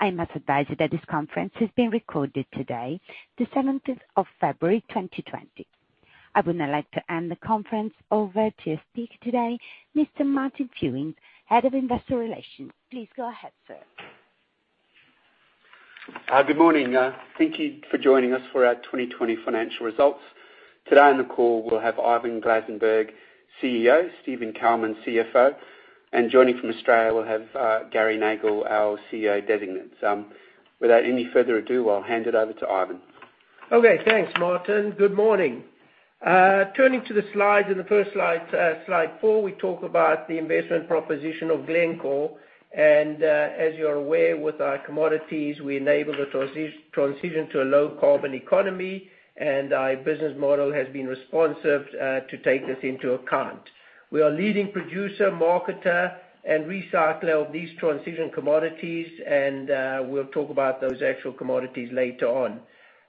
I would now like to hand the conference over to a speaker today, Mr. Martin Fewings, Head of Investor Relations. Please go ahead, sir. Good morning. Thank you for joining us for our 2020 financial results. Today on the call, we'll have Ivan Glasenberg, CEO, Steven Kalmin, CFO, and joining from Australia, we'll have Gary Nagle, our CEO designate. Without any further ado, I'll hand it over to Ivan. Okay, thanks, Martin. Good morning. Turning to the slides, in the first slide four, we talk about the investment proposition of Glencore. As you're aware, with our commodities, we enable the transition to a low carbon economy, and our business model has been responsive to take this into account. We are a leading producer, marketer, and recycler of these transition commodities, and we'll talk about those actual commodities later on.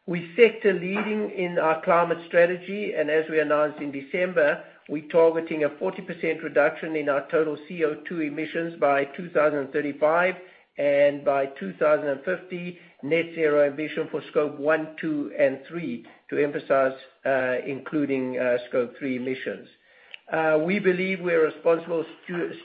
We're sector leading in our climate strategy, and as we announced in December, we're targeting a 40% reduction in our total CO2 emissions by 2035, and by 2050, net zero emission for Scope I, II, and III to emphasize including Scope III emissions. We believe we're responsible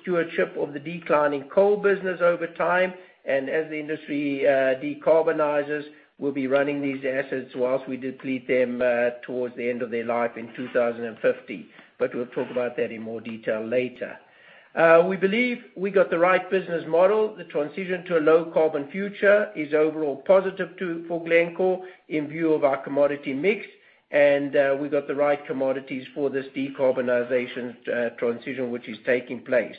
stewardship of the declining coal business over time. As the industry decarbonizes, we'll be running these assets whilst we deplete them towards the end of their life in 2050. We'll talk about that in more detail later. We believe we got the right business model. The transition to a low carbon future is overall positive for Glencore in view of our commodity mix. We got the right commodities for this decarbonization transition which is taking place.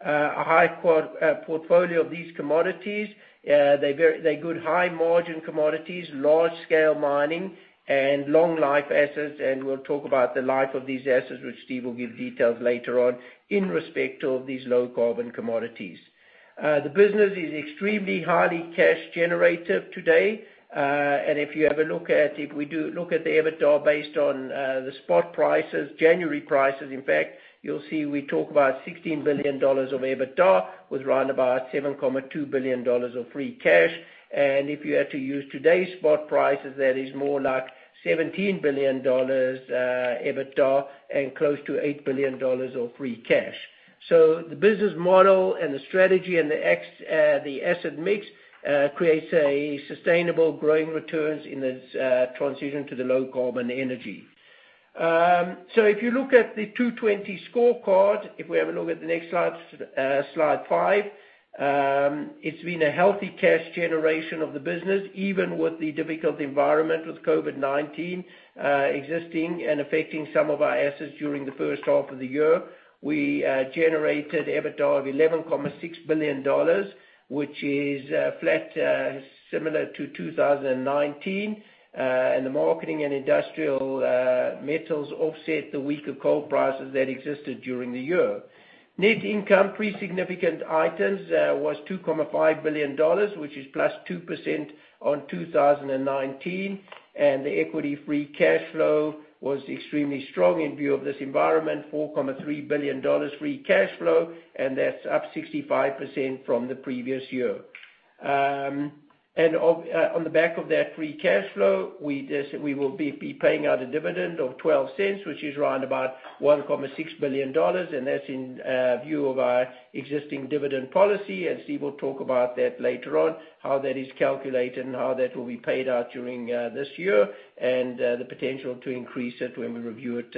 A high portfolio of these commodities they good high margin commodities, large-scale mining, and long life assets. We'll talk about the life of these assets, which Steve will give details later on in respect of these low carbon commodities. The business is extremely highly cash generative today. If you have a look at the EBITDA based on the spot prices, January prices, in fact, you'll see we talk about $16 billion of EBITDA with around about $7.2 billion of free cash. If you had to use today's spot prices, that is more like $17 billion EBITDA and close to $8 billion of free cash. The business model and the strategy and the asset mix creates a sustainable growing returns in its transition to the low carbon energy. If you look at the 2020 scorecard, if we have a look at the next slide five, it's been a healthy cash generation of the business, even with the difficult environment with COVID-19 existing and affecting some of our assets during the H1 of the year. We generated EBITDA of $11.6 billion, which is flat similar to 2019. The marketing and industrial metals offset the weaker coal prices that existed during the year. Net income, pre significant items, was $2.5 billion, which is plus 2% on 2019. The equity free cash flow was extremely strong in view of this environment, $4.3 billion free cash flow, that's up 65% from the previous year. On the back of that free cash flow, we will be paying out a dividend of $0.12, which is around about $1.6 billion. That's in view of our existing dividend policy. Steve will talk about that later on, how that is calculated and how that will be paid out during this year and the potential to increase it when we review it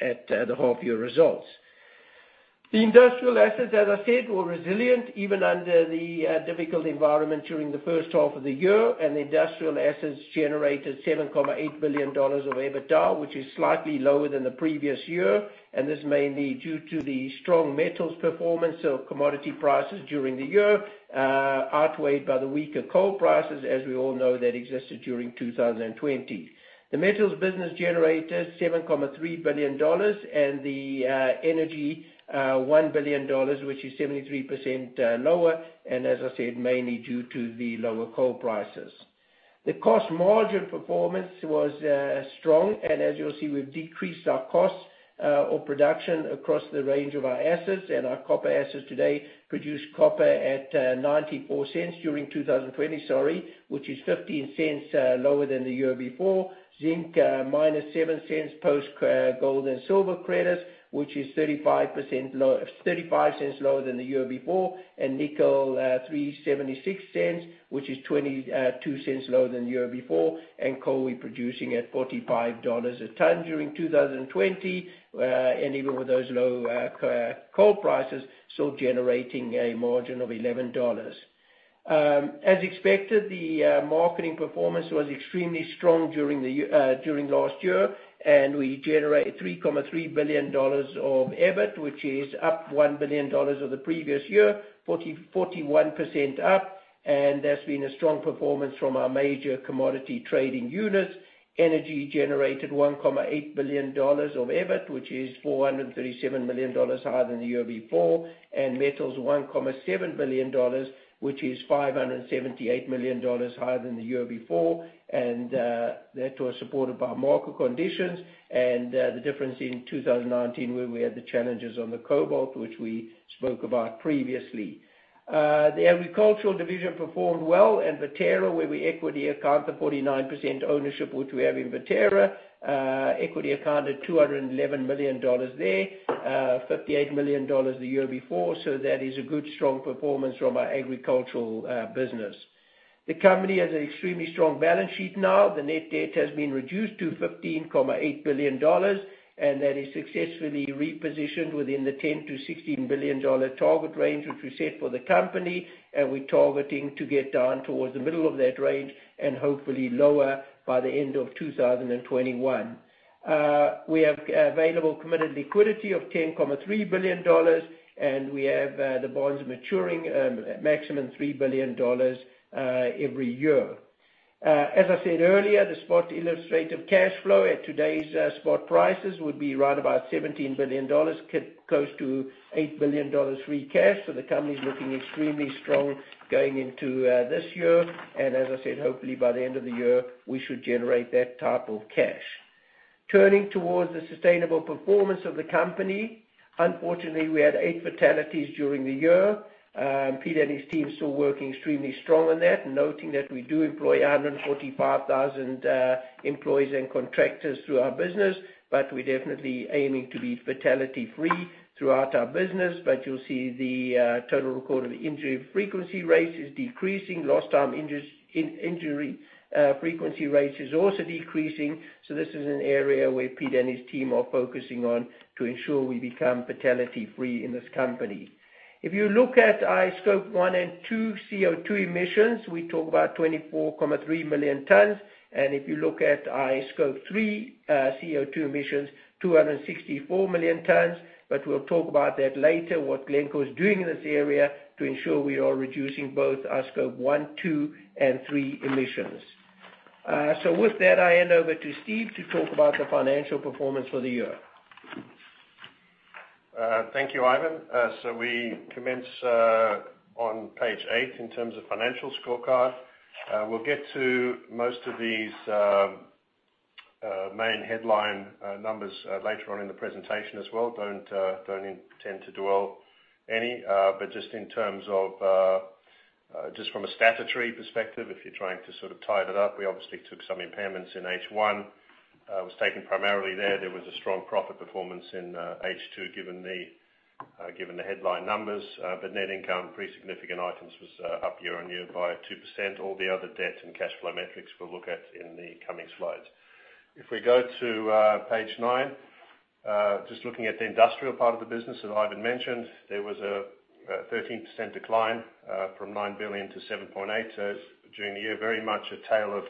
at the half year results. The industrial assets, as I said, were resilient even under the difficult environment during the H1 of the year. The industrial assets generated $7.8 billion of EBITDA, which is slightly lower than the previous year. This is mainly due to the strong metals performance of commodity prices during the year, outweighed by the weaker coal prices, as we all know, that existed during 2020. The metals business generated $7.3 billion and the energy, $1 billion, which is 73% lower, and as I said, mainly due to the lower coal prices. The cost margin performance was strong, and as you'll see, we've decreased our cost of production across the range of our assets. Our copper assets today produce copper at $0.94 during 2020, sorry, which is $0.15 lower than the year before. Zinc, -$0.07 post gold and silver credits, which is $0.35 lower than the year before. Nickel, $3.76, which is $0.22 lower than the year before. Coal, we're producing at $45 a ton during 2020, and even with those low coal prices, still generating a margin of $11. As expected, the marketing performance was extremely strong during last year, and we generated $3.3 billion of EBIT, which is up $1 billion of the previous year, 41% up. That's been a strong performance from our major commodity trading unit. Energy generated $1.8 billion of EBIT, which is $437 million higher than the year before, and metals $1.7 billion, which is $578 million higher than the year before. That was supported by market conditions and the difference in 2019, where we had the challenges on the cobalt, which we spoke about previously. The agricultural division performed well, and Viterra, where we equity account the 49% ownership which we have in Viterra, equity accounted $211 million there, $58 million the year before. That is a good, strong performance from our agricultural business. The company has an extremely strong balance sheet now. The net debt has been reduced to $15.8 billion, that is successfully repositioned within the $10 billion-$16 billion target range, which we set for the company, we're targeting to get down towards the middle of that range and hopefully lower by the end of 2021. We have available committed liquidity of $10.3 billion, we have the bonds maturing at maximum $3 billion every year. As I said earlier, the spot illustrative cash flow at today's spot prices would be right about $17 billion, close to $8 billion free cash. The company's looking extremely strong going into this year. As I said, hopefully by the end of the year, we should generate that type of cash. Turning towards the sustainable performance of the company, unfortunately, we had eight fatalities during the year. Pete and his team still working extremely strong on that, noting that we do employ 145,000 employees and contractors through our business, but we're definitely aiming to be fatality-free throughout our business. You'll see the total recordable injury frequency rate is decreasing. Lost time injury frequency rate is also decreasing. This is an area where Pete and his team are focusing on to ensure we become fatality-free in this company. If you look at our Scope I and II CO2 emissions, we talk about 24.3 million tons, and if you look at our Scope III CO2 emissions, 264 million tons. We'll talk about that later, what Glencore is doing in this area to ensure we are reducing both our Scope I, II, and III emissions. With that, I hand over to Steve to talk about the financial performance for the year. Thank you, Ivan. We commence on page eight in terms of financial scorecard. We'll get to most of these main headline numbers later on in the presentation as well. Don't intend to dwell any. Just in terms of just from a statutory perspective, if you're trying to sort of tie it up, we obviously took some impairments in H1, was taken primarily there. There was a strong profit performance in H2 given the headline numbers. Net income, pre-significant items was up year-on-year by 2%. All the other debt and cash flow metrics we'll look at in the coming slides. If we go to page nine, just looking at the industrial part of the business that Ivan mentioned, there was a 13% decline from $9 billion to $7.8 during the year. Very much a tale of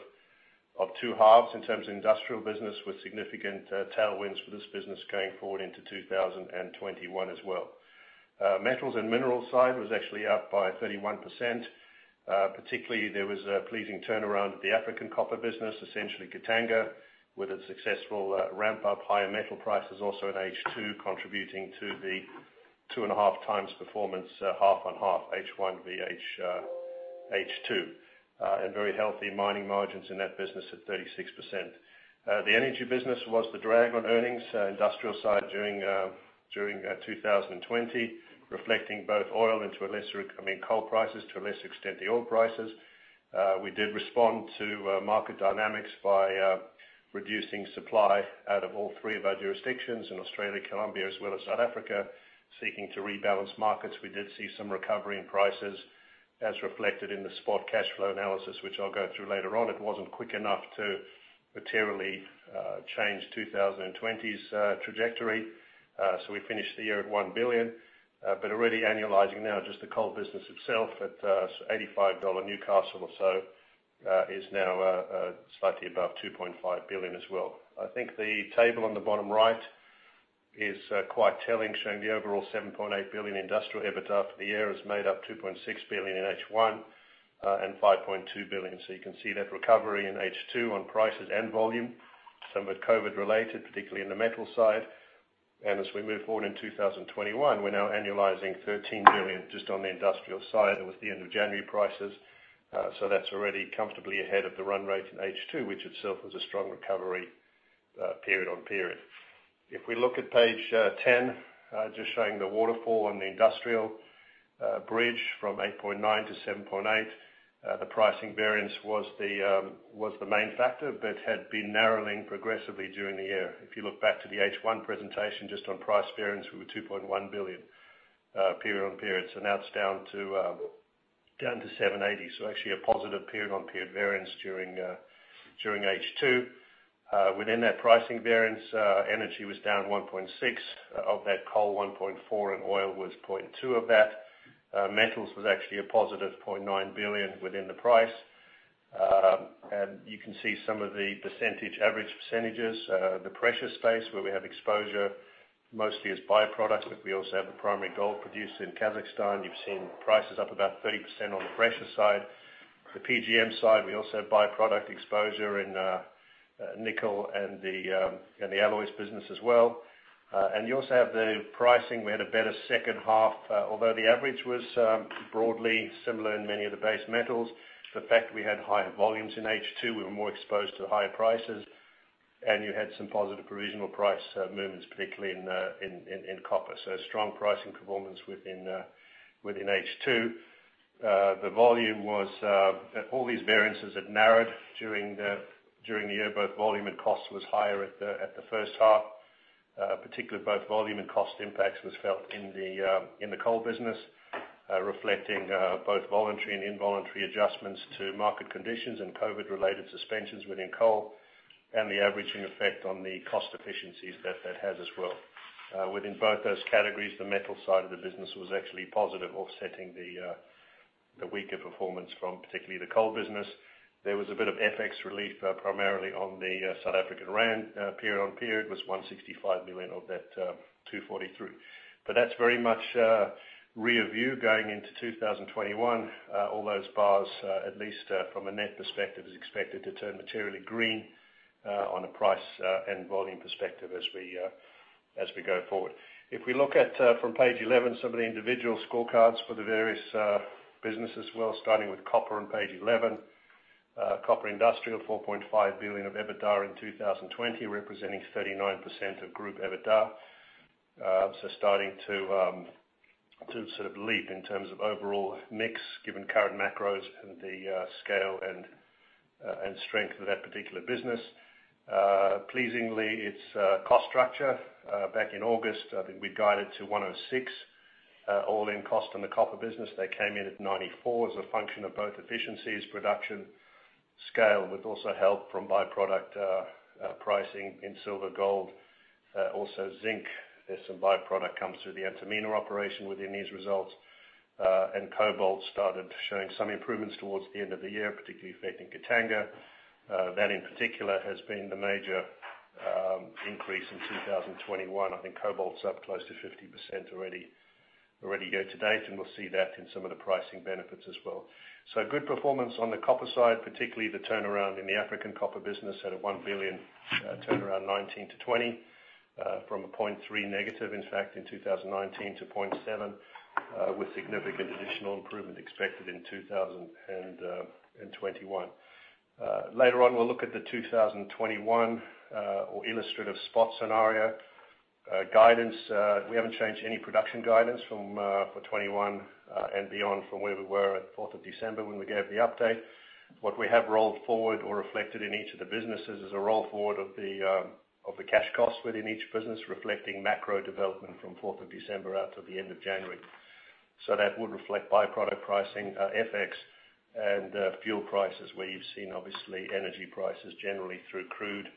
2/2 in terms of industrial business, with significant tailwinds for this business going forward into 2021 as well. Metals and minerals side was actually up by 31%. Particularly, there was a pleasing turnaround at the African copper business, essentially Katanga, with a successful ramp-up. Higher metal prices also in H2 contributing to the 2.5x performance, half on half, H1 via H2. Very healthy mining margins in that business at 36%. The energy business was the drag on earnings, industrial side during 2020, reflecting both, I mean, coal prices, to a lesser extent, the oil prices. We did respond to market dynamics by reducing supply out of all three of our jurisdictions in Australia, Colombia, as well as South Africa, seeking to rebalance markets. We did see some recovery in prices as reflected in the spot cash flow analysis, which I'll go through later on. It wasn't quick enough to materially change 2020's trajectory, so we finished the year at $1 billion. Already annualizing now just the coal business itself at $85 Newcastle or so is now slightly above $2.5 billion as well. I think the table on the bottom right is quite telling, showing the overall $7.8 billion industrial EBITDA for the year is made up $2.6 billion in H1 and $5.2 billion. You can see that recovery in H2 on prices and volume, some of it COVID-19 related, particularly in the metal side. As we move forward in 2021, we're now annualizing $13 billion just on the industrial side with the end of January prices. That's already comfortably ahead of the run rate in H2, which itself was a strong recovery period on period. If we look at page 10, just showing the waterfall and the industrial bridge from 8.9 to 7.8. The pricing variance was the main factor but had been narrowing progressively during the year. If you look back to the H1 presentation, just on price variance, we were $2.1 billion period on period. Now it's down to $780. Actually a positive period-on-period variance during H2. Within that pricing variance, energy was down $1.6. Of that coal, $1.4, and oil was $0.2 of that. Metals was actually a positive $0.9 billion within the price. You can see some of the percentage average percentages. The precious metals space where we have exposure mostly as by-product, but we also have the primary gold producer in Kazakhstan. You've seen prices up about 30% on the pressure side. The PGM side, we also have by-product exposure in nickel and the alloys business as well. You also have the pricing. We had a better H2, although the average was broadly similar in many of the base metals. The fact we had higher volumes in H2, we were more exposed to higher prices, and you had some positive provisional price movements, particularly in copper. Strong pricing performance within H2. The volume all these variances had narrowed during the year. Both volume and cost was higher at the H1. Particularly both volume and cost impacts was felt in the coal business, reflecting both voluntary and involuntary adjustments to market conditions and COVID-related suspensions within coal, and the averaging effect on the cost efficiencies that that has as well. Within both those categories, the metal side of the business was actually positive offsetting the weaker performance from particularly the coal business. There was a bit of FX relief, primarily on the South African rand. Period on period was $165 million of that $243 million. That's very much rear view going into 2021. All those bars, at least from a net perspective, is expected to turn materially green on a price and volume perspective as we go forward. We look at from page 11, some of the individual scorecards for the various businesses. We're starting with copper on page 11. Copper industrial, $4.5 billion of EBITDA in 2020, representing 39% of group EBITDA. Starting to sort of lead in terms of overall mix, given current macros and the scale and strength of that particular business. Pleasingly, its cost structure. Back in August, I think we guided to 106 all-in cost on the copper business. They came in at 94 as a function of both efficiencies, production, scale, with also help from by-product pricing in silver, gold. Also zinc. There's some by-product comes through the Antamina operation within these results. Cobalt started showing some improvements towards the end of the year, particularly affecting Katanga. That in particular has been the major increase in 2021. I think cobalt's up close to 50% already year to date, and we'll see that in some of the pricing benefits as well. Good performance on the copper side, particularly the turnaround in the African copper business out of $1 billion, turnaround 2019 to 2020, from a 0.3 negative, in fact, in 2019 to 0.7, with significant additional improvement expected in 2021. Later on, we'll look at the 2021 or illustrative spot scenario guidance. We haven't changed any production guidance for 2021 and beyond from where we were at 4th of December when we gave the update. What we have rolled forward or reflected in each of the businesses is a roll forward of the cash costs within each business, reflecting macro development from 4th of December out to the end of January. That would reflect by-product pricing, FX and fuel prices where you've seen, obviously, energy prices generally through crude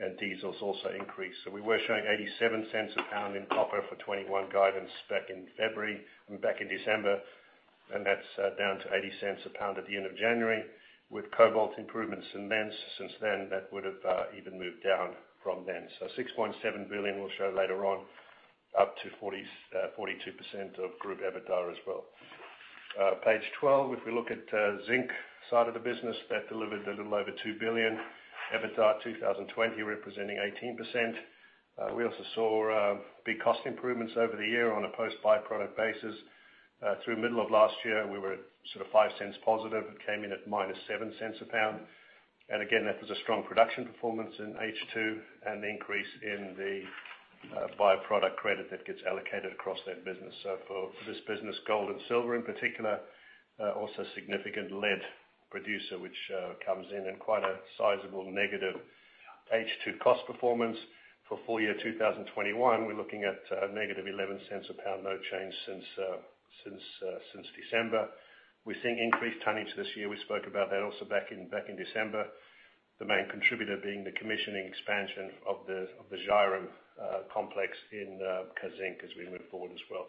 and diesel has also increased. We were showing $0.87 a pound in copper for 2021 guidance back in December, and that's down to $0.80 a pound at the end of January. With cobalt improvements since then, that would have even moved down from then. $6.7 billion we'll show later on, up to 42% of group EBITDA as well. Page 12, if we look at zinc side of the business, that delivered a little over $2 billion EBITDA 2020, representing 18%. We also saw big cost improvements over the year on a post by-product basis. Through middle of last year, we were at sort of $0.05 positive. It came in at -$0.07 a pound. Again, that was a strong production performance in H2 and an increase in the by-product credit that gets allocated across that business. For this business, gold and silver in particular, also significant lead producer, which comes in at quite a sizable negative H2 cost performance. For full year 2021, we're looking at -$0.11 a pound, no change since December. We're seeing increased tonnage this year. We spoke about that also back in December. The main contributor being the commissioning expansion of the Zhairem complex in Kazzinc as we move forward as well.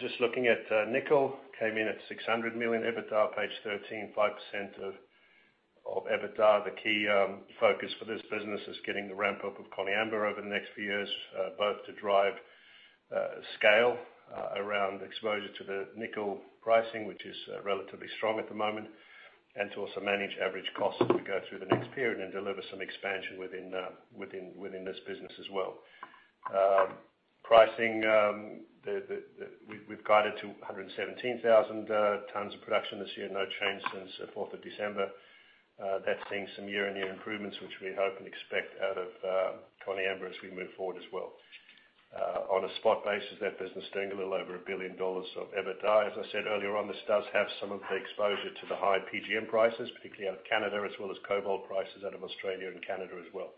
Just looking at nickel, came in at $600 million EBITDA, page 13, 5% of EBITDA. The key focus for this business is getting the ramp-up of Koniambo over the next few years, both to drive scale around exposure to the nickel pricing, which is relatively strong at the moment, and to also manage average costs as we go through the next period and deliver some expansion within this business as well. Pricing, we've guided to 117,000 tons of production this year, no change since 4th of December. That's seeing some year-on-year improvements, which we hope and expect out of Koniambo as we move forward as well. On a spot basis, that business is doing a little over $1 billion of EBITDA. As I said earlier on, this does have some of the exposure to the high PGM prices, particularly out of Canada, as well as cobalt prices out of Australia and Canada as well.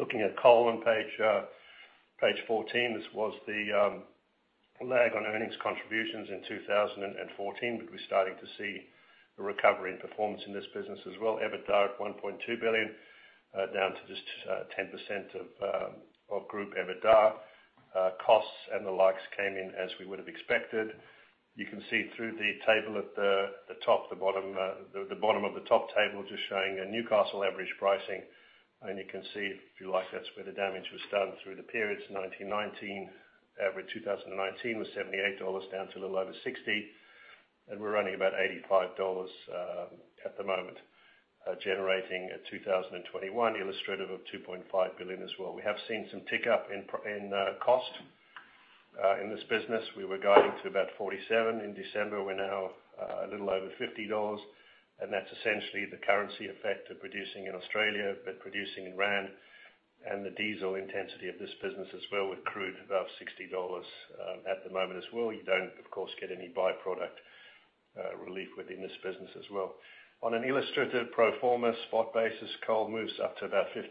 Looking at coal on page 14, this was the lag on earnings contributions in 2014, we're starting to see the recovery and performance in this business as well, EBITDA at $1.2 billion, down to just 10% of group EBITDA. Costs and the likes came in as we would have expected. You can see through the table at the bottom of the top table, just showing a Newcastle average pricing. You can see, if you like, that's where the damage was done through the periods. 2019, average 2019 was $78 down to a little over $60, we're only about $85 at the moment, generating a 2021 illustrative of $2.5 billion as well. We have seen some tick up in cost in this business. We were guiding to about $47. In December, we're now a little over $50. That's essentially the currency effect of producing in Australia, but producing in rand and the diesel intensity of this business as well, with crude above $60 at the moment as well. You don't, of course, get any by-product relief within this business as well. On an illustrative pro forma spot basis, coal moves up to about 15%.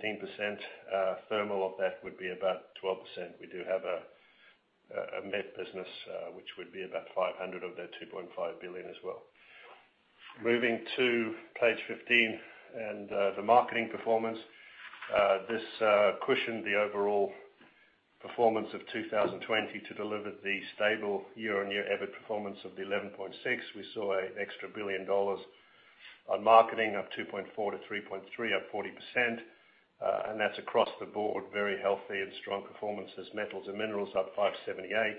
Thermal of that would be about 12%. We do have a met business, which would be about $500 of that $2.5 billion as well. Moving to page 15 and the marketing performance. This cushioned the overall performance of 2020 to deliver the stable year-on-year EBIT performance of the $11.6. We saw a extra billion dollars on marketing, up $2.4 billion-$3.3 billion, up 40%. That's across the board, very healthy and strong performances. Metals and minerals up $578,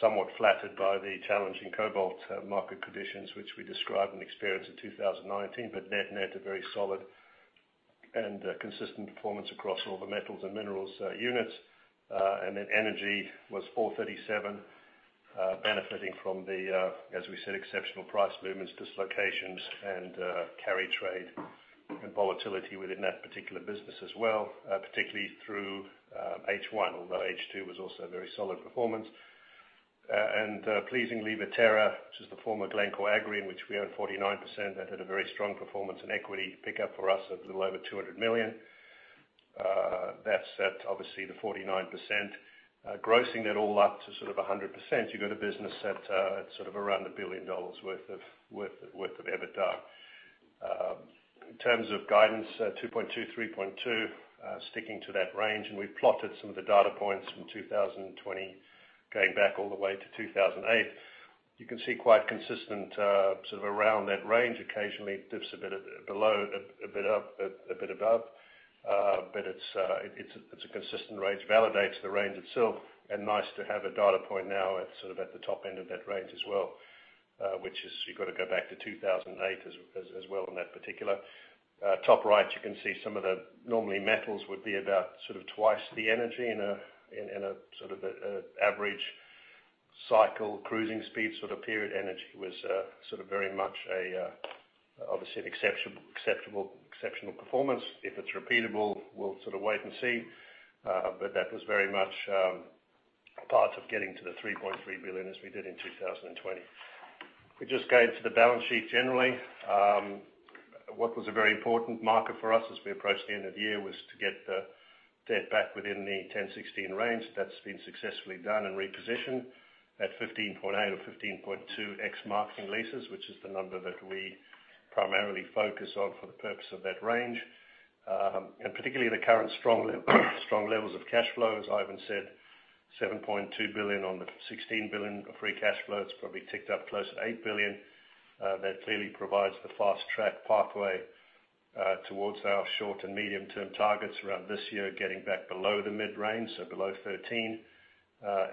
somewhat flattered by the challenging cobalt market conditions, which we described and experienced in 2019. Net, a very solid and consistent performance across all the metals and minerals units. Energy was $437, benefiting from the, as we said, exceptional price movements, dislocations and carry trade and volatility within that particular business as well, particularly through H1. Although H2 was also a very solid performance. Pleasingly, Viterra, which is the former Glencore Agri, in which we own 49%, that had a very strong performance in equity pick up for us of a little over $200 million. That's at obviously the 49%. Grossing that all up to sort of 100%, you've got a business at sort of around $1 billion worth of EBITDA. In terms of guidance, 2.2, 3.2, sticking to that range. We plotted some of the data points from 2020, going back all the way to 2008. You can see quite consistent sort of around that range. Occasionally it dips a bit below, a bit above. It's a consistent range, validates the range itself. Nice to have a data point now at sort of at the top end of that range as well, which is, you got to go back to 2008 as well in that particular. Top right, you can see some of the normally metals would be about sort of twice the energy in a sort of a average cycle cruising speed sort of period. Energy was sort of very much obviously an exceptional performance. If it's repeatable, we'll sort of wait and see. That was very much part of getting to the $3.3 billion as we did in 2020. If we just go into the balance sheet generally. What was a very important marker for us as we approached the end of the year was to get the debt back within the 10-16 range. That's been successfully done and repositioned at 15.8x or 15.2x marketing leases, which is the number that we primarily focus on for the purpose of that range. Particularly the current strong levels of cash flow, as Ivan said, $7.2 billion on the $16 billion of free cash flow. It's probably ticked up close to $8 billion. That clearly provides the fast track pathway towards our short and medium-term targets around this year, getting back below the mid-range, so below 13,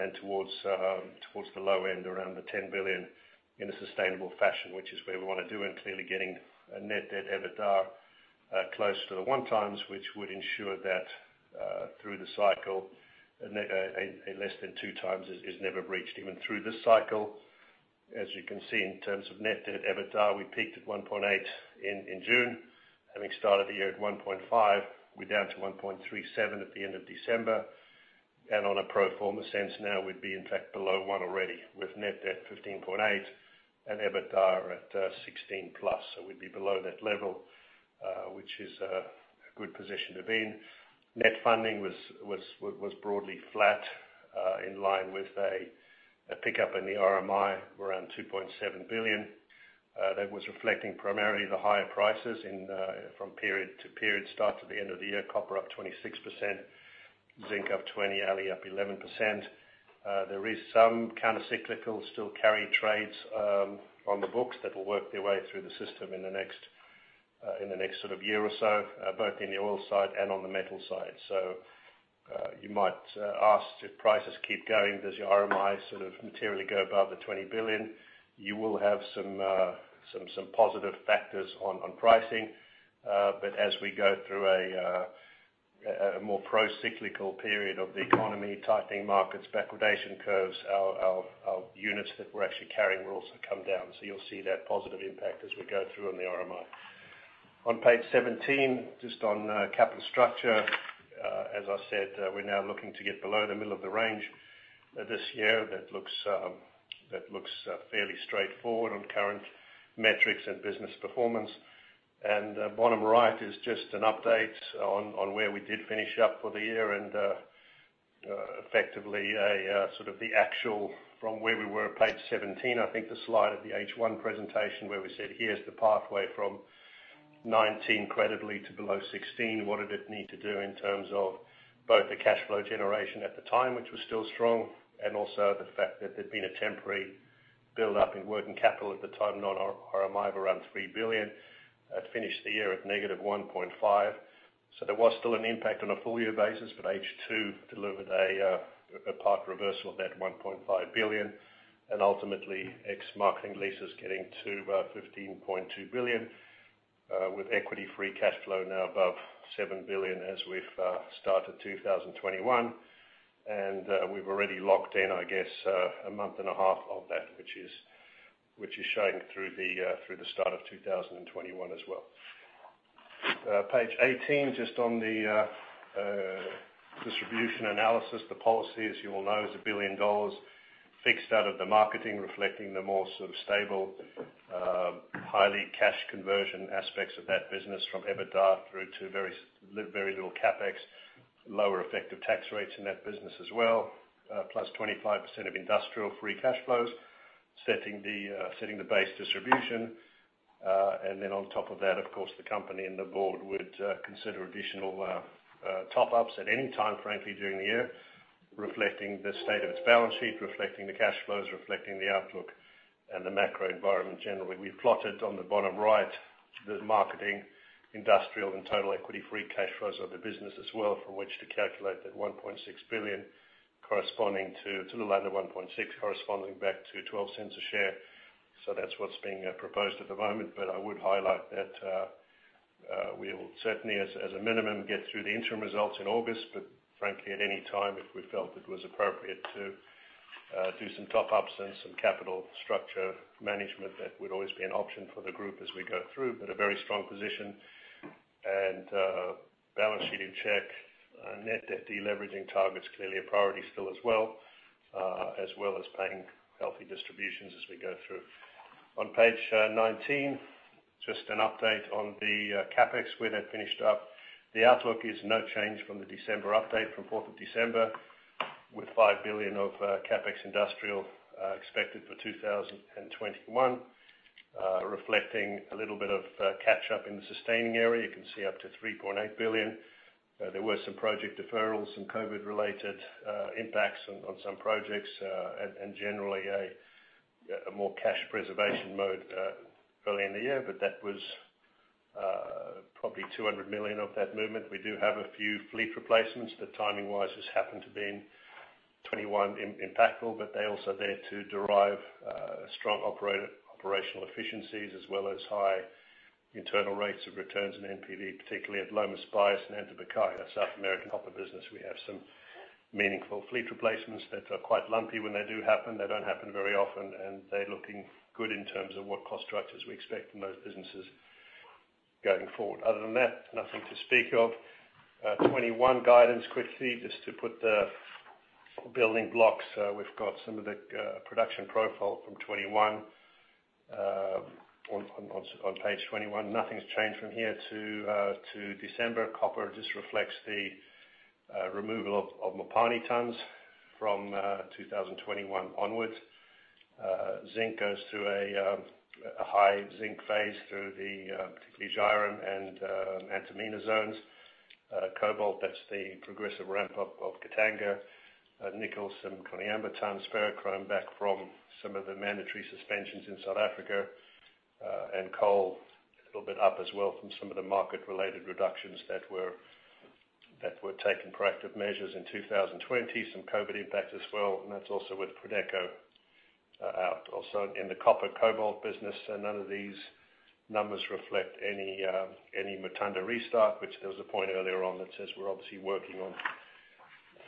and towards the low end, around the $10 billion in a sustainable fashion, which is where we want to do. Clearly getting a net debt EBITDA close to the 1x, which would ensure that through the cycle, a less than 2x is never breached. Even through this cycle, as you can see in terms of net debt EBITDA, we peaked at 1.8 in June, having started the year at 1.5. We're down to 1.37 at the end of December. On a pro forma sense now, we'd be in fact below one already with net debt $15.8 and EBITDA at $16+. We'd be below that level, which is a good position to be in. Net funding was broadly flat, in line with a pickup in the RMI around $2.7 billion. That was reflecting primarily the higher prices from period to period start to the end of the year. Copper up 26%, zinc up 20%, alloy up 11%. There is some counter cyclical still carry trades on the books that will work their way through the system in the next sort of year or so, both in the oil side and on the metal side. You might ask, if prices keep going, does your RMI sort of materially go above the $20 billion? You will have some positive factors on pricing. As we go through a more pro-cyclical period of the economy, tightening markets, backwardation curves, our units that we're actually carrying will also come down. You'll see that positive impact as we go through on the RMI. On page 17, just on capital structure. As I said, we're now looking to get below the middle of the range this year. That looks fairly straightforward on current metrics and business performance. Bottom right is just an update on where we did finish up for the year and effectively, sort of the actual from where we were, page 17, I think, the slide of the H1 presentation where we said, here's the pathway from 19 credibly to below 16. What did it need to do in terms of both the cash flow generation at the time, which was still strong, and also the fact that there'd been a temporary buildup in working capital at the time, not our MI, of around $3 billion. It finished the year at -$1.5 billion. There was still an impact on a full year basis, but H2 delivered a part reversal of that $1.5 billion. Ultimately, ex marketing leases getting to about $15.2 billion, with equity free cash flow now above $7 billion as we've started 2021. We've already locked in, I guess, a month and a half of that, which is shown through the start of 2021 as well. Page 18, just on the distribution analysis. The policy, as you all know, is $1 billion fixed out of the marketing, reflecting the more sort of stable, highly cash conversion aspects of that business from EBITDA through to very little CapEx, lower effective tax rates in that business as well. Plus 25% of industrial free cash flows, setting the base distribution. Then on top of that, of course, the company and the board would consider additional top-ups at any time, frankly, during the year, reflecting the state of its balance sheet, reflecting the cash flows, reflecting the outlook and the macro environment generally. We've plotted on the bottom right, the marketing, industrial, and total equity free cash flows of the business as well, from which to calculate that $1.6 billion, to the line of $1.6 corresponding back to $0.12 a share. That's what's being proposed at the moment, but I would highlight that we will certainly, as a minimum, get through the interim results in August, but frankly, at any time, if we felt it was appropriate to do some top-ups and some capital structure management, that would always be an option for the group as we go through. A very strong position and balance sheet in check. Net debt deleveraging target's clearly a priority still as well, as well as paying healthy distributions as we go through. On page 19, just an update on the CapEx, where that finished up. The outlook is no change from the December update from 4th of December, with $5 billion of CapEx industrial expected for 2021, reflecting a little bit of catch up in the sustaining area. You can see up to $3.8 billion. There were some project deferrals, some COVID-related impacts on some projects, and generally a more cash preservation mode early in the year. That was probably $200 million of that movement. We do have a few fleet replacements that timing-wise just happen to be in 2021 impactful. They also are there to derive strong operational efficiencies as well as high internal rates of returns in NPV, particularly at Lomas Bayas and Antamina, our South American copper business. We have some meaningful fleet replacements that are quite lumpy when they do happen. They don't happen very often. They're looking good in terms of what cost structures we expect from those businesses going forward. Other than that, nothing to speak of. 21 guidance quickly, just to put the building blocks. We've got some of the production profile from 2021 on page 21. Nothing's changed from here to December. Copper just reflects the removal of Mopani tons from 2021 onwards. Zinc goes through a high zinc phase through the, particularly, Zhairem and Antamina zones. Cobalt, that's the progressive ramp-up of Katanga. Nickel, some Koniambo tons. Ferrochrome back from some of the mandatory suspensions in South Africa. Coal, a little bit up as well from some of the market-related reductions that were taking proactive measures in 2020. Some COVID impact as well, and that's also with Prodeco out. Also in the copper cobalt business, none of these numbers reflect any Mutanda restart, which there was a point earlier on that says we're obviously working on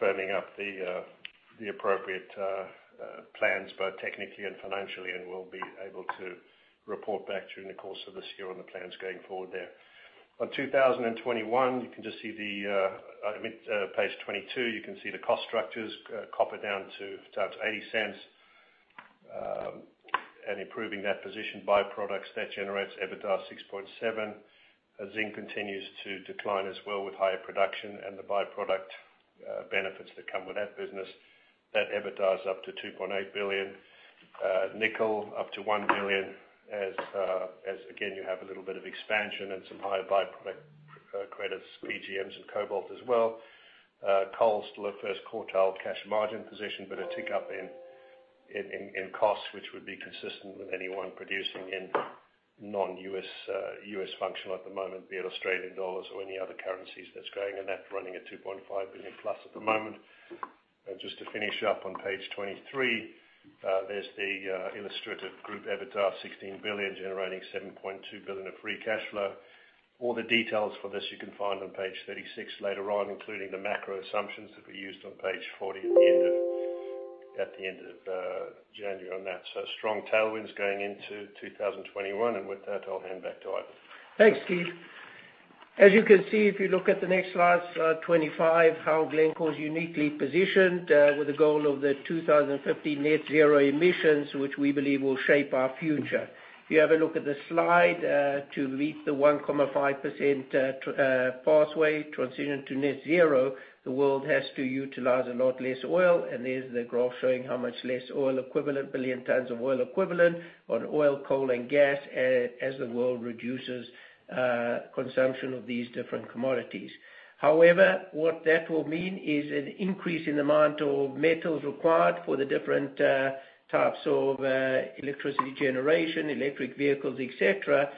firming up the appropriate plans, both technically and financially, and we'll be able to report back during the course of this year on the plans going forward there. On 2021, page 22, you can see the cost structures. Copper down to $0.80, and improving that position. Byproducts, that generates EBITDA $6.7. Zinc continues to decline as well with higher production and the byproduct benefits that come with that business. EBITDA is up to $2.8 billion. Nickel up to $1 billion as, again, you have a little bit of expansion and some higher byproduct credits, PGMs and cobalt as well. Coal, still a first quartile cash margin position, but a tick up in costs, which would be consistent with anyone producing in non-U.S. function at the moment, be it Australian dollars or any other currencies that's going. That running at $2.5 billion-plus at the moment. Just to finish up on page 23, there's the illustrative group EBITDA of $16 billion, generating $7.2 billion of free cash flow. All the details for this you can find on page 36 later on, including the macro assumptions that we used on page 40 at the end of January on that. Strong tailwinds going into 2021. With that, I'll hand back to Ivan. Thanks, Steve. As you can see, if you look at the next slide 25, how Glencore is uniquely positioned with the goal of the 2050 net-zero emissions, which we believe will shape our future. If you have a look at the slide, to meet the 1.5% pathway transition to net zero, the world has to utilize a lot less oil. There's the graph showing how much less oil equivalent, billion tons of oil equivalent on oil, coal, and gas as the world reduces consumption of these different commodities. However, what that will mean is an increase in the amount of metals required for the different types of electricity generation, electric vehicles, et cetera.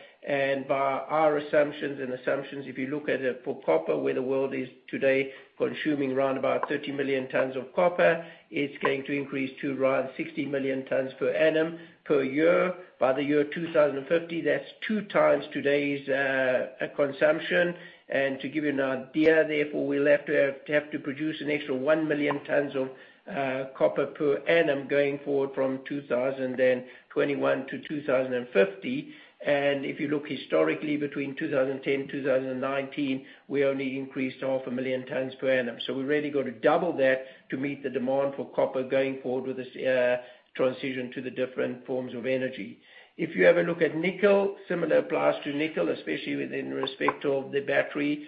By our assumptions, if you look at it for copper, where the world is today consuming around about 30 million tons of copper, it's going to increase to around 60 million tons per annum, per year. By the year 2050, that's two times today's consumption. To give you an idea, therefore, we'll have to produce an extra one million tons of copper per annum going forward from 2021-2050. If you look historically between 2010, 2019, we only increased half a million tons per annum. We really got to double that to meet the demand for copper going forward with this transition to the different forms of energy. If you have a look at nickel, similar applies to nickel, especially within respect of the battery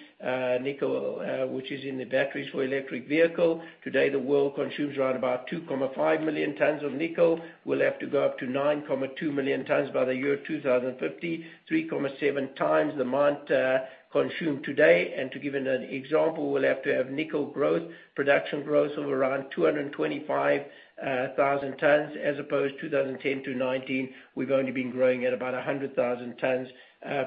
nickel, which is in the batteries for electric vehicle. Today, the world consumes right about 2.5 million tons of nickel, will have to go up to 9.2 million tons by the year 2050, 3.7 times the amount consumed today. To give you an example, we'll have to have nickel growth, production growth of around 225,000 tons as opposed 2010 to 2019, we've only been growing at about 100,000 tons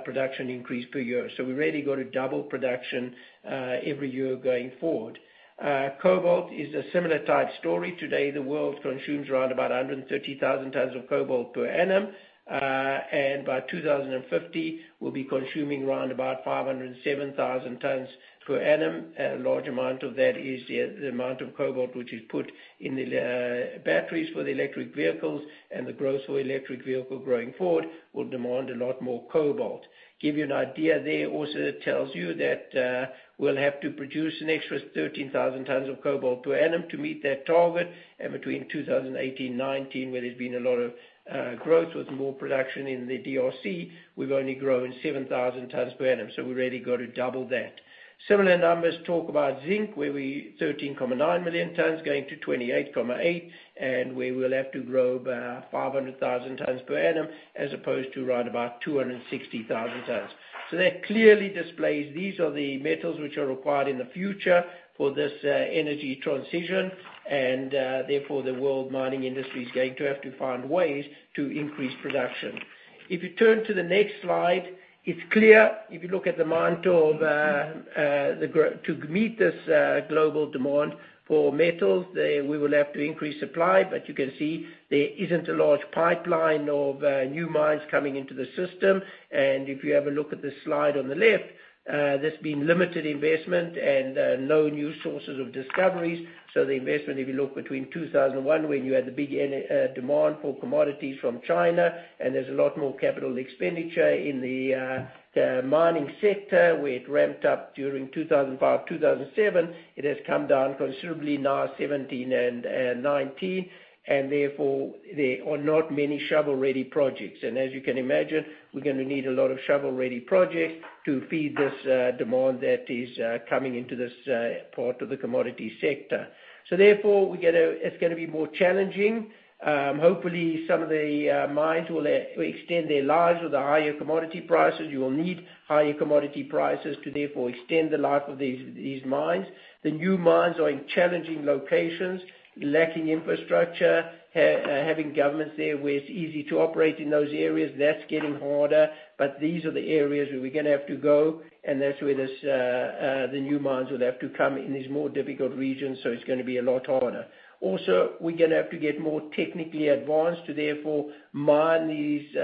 production increase per year. We really got to double production every year going forward. Cobalt is a similar type story. Today, the world consumes around about 130,000 tons of cobalt per annum. By 2050, we'll be consuming around about 507,000 tons per annum. A large amount of that is the amount of cobalt which is put in the batteries for the electric vehicles and the growth of electric vehicle growing forward will demand a lot more cobalt. To give you an idea there, also that tells you that we'll have to produce an extra 13,000 tons of cobalt per annum to meet that target. Between 2018-2019, where there's been a lot of growth with more production in the DRC, we've only grown 7,000 tons per annum. We really got to double that. Similar numbers talk about zinc, where 13.9 million tons going to 28.8, and we will have to grow by 500,000 tons per annum as opposed to right about 260,000 tons. That clearly displays these are the metals which are required in the future for this energy transition, and therefore, the world mining industry is going to have to find ways to increase production. If you turn to the next slide, it's clear if you look at the amount of to meet this global demand for metals, we will have to increase supply. You can see there isn't a large pipeline of new mines coming into the system. If you have a look at the slide on the left, there's been limited investment and no new sources of discoveries. The investment, if you look between 2001, when you had the big demand for commodities from China, and there's a lot more capital expenditure in the mining sector, where it ramped up during 2005, 2007. It has come down considerably now 2017 and 2019. Therefore, there are not many shovel-ready projects. As you can imagine, we're gonna need a lot of shovel-ready projects to feed this demand that is coming into this part of the commodity sector. Therefore it's gonna be more challenging. Hopefully, some of the mines will extend their lives with the higher commodity prices. You will need higher commodity prices to therefore extend the life of these mines. The new mines are in challenging locations, lacking infrastructure, having governments there where it's easy to operate in those areas. That's getting harder. These are the areas where we're gonna have to go, and that's where the new mines would have to come in these more difficult regions, so it's gonna be a lot harder. Also, we're gonna have to get more technically advanced to therefore mine these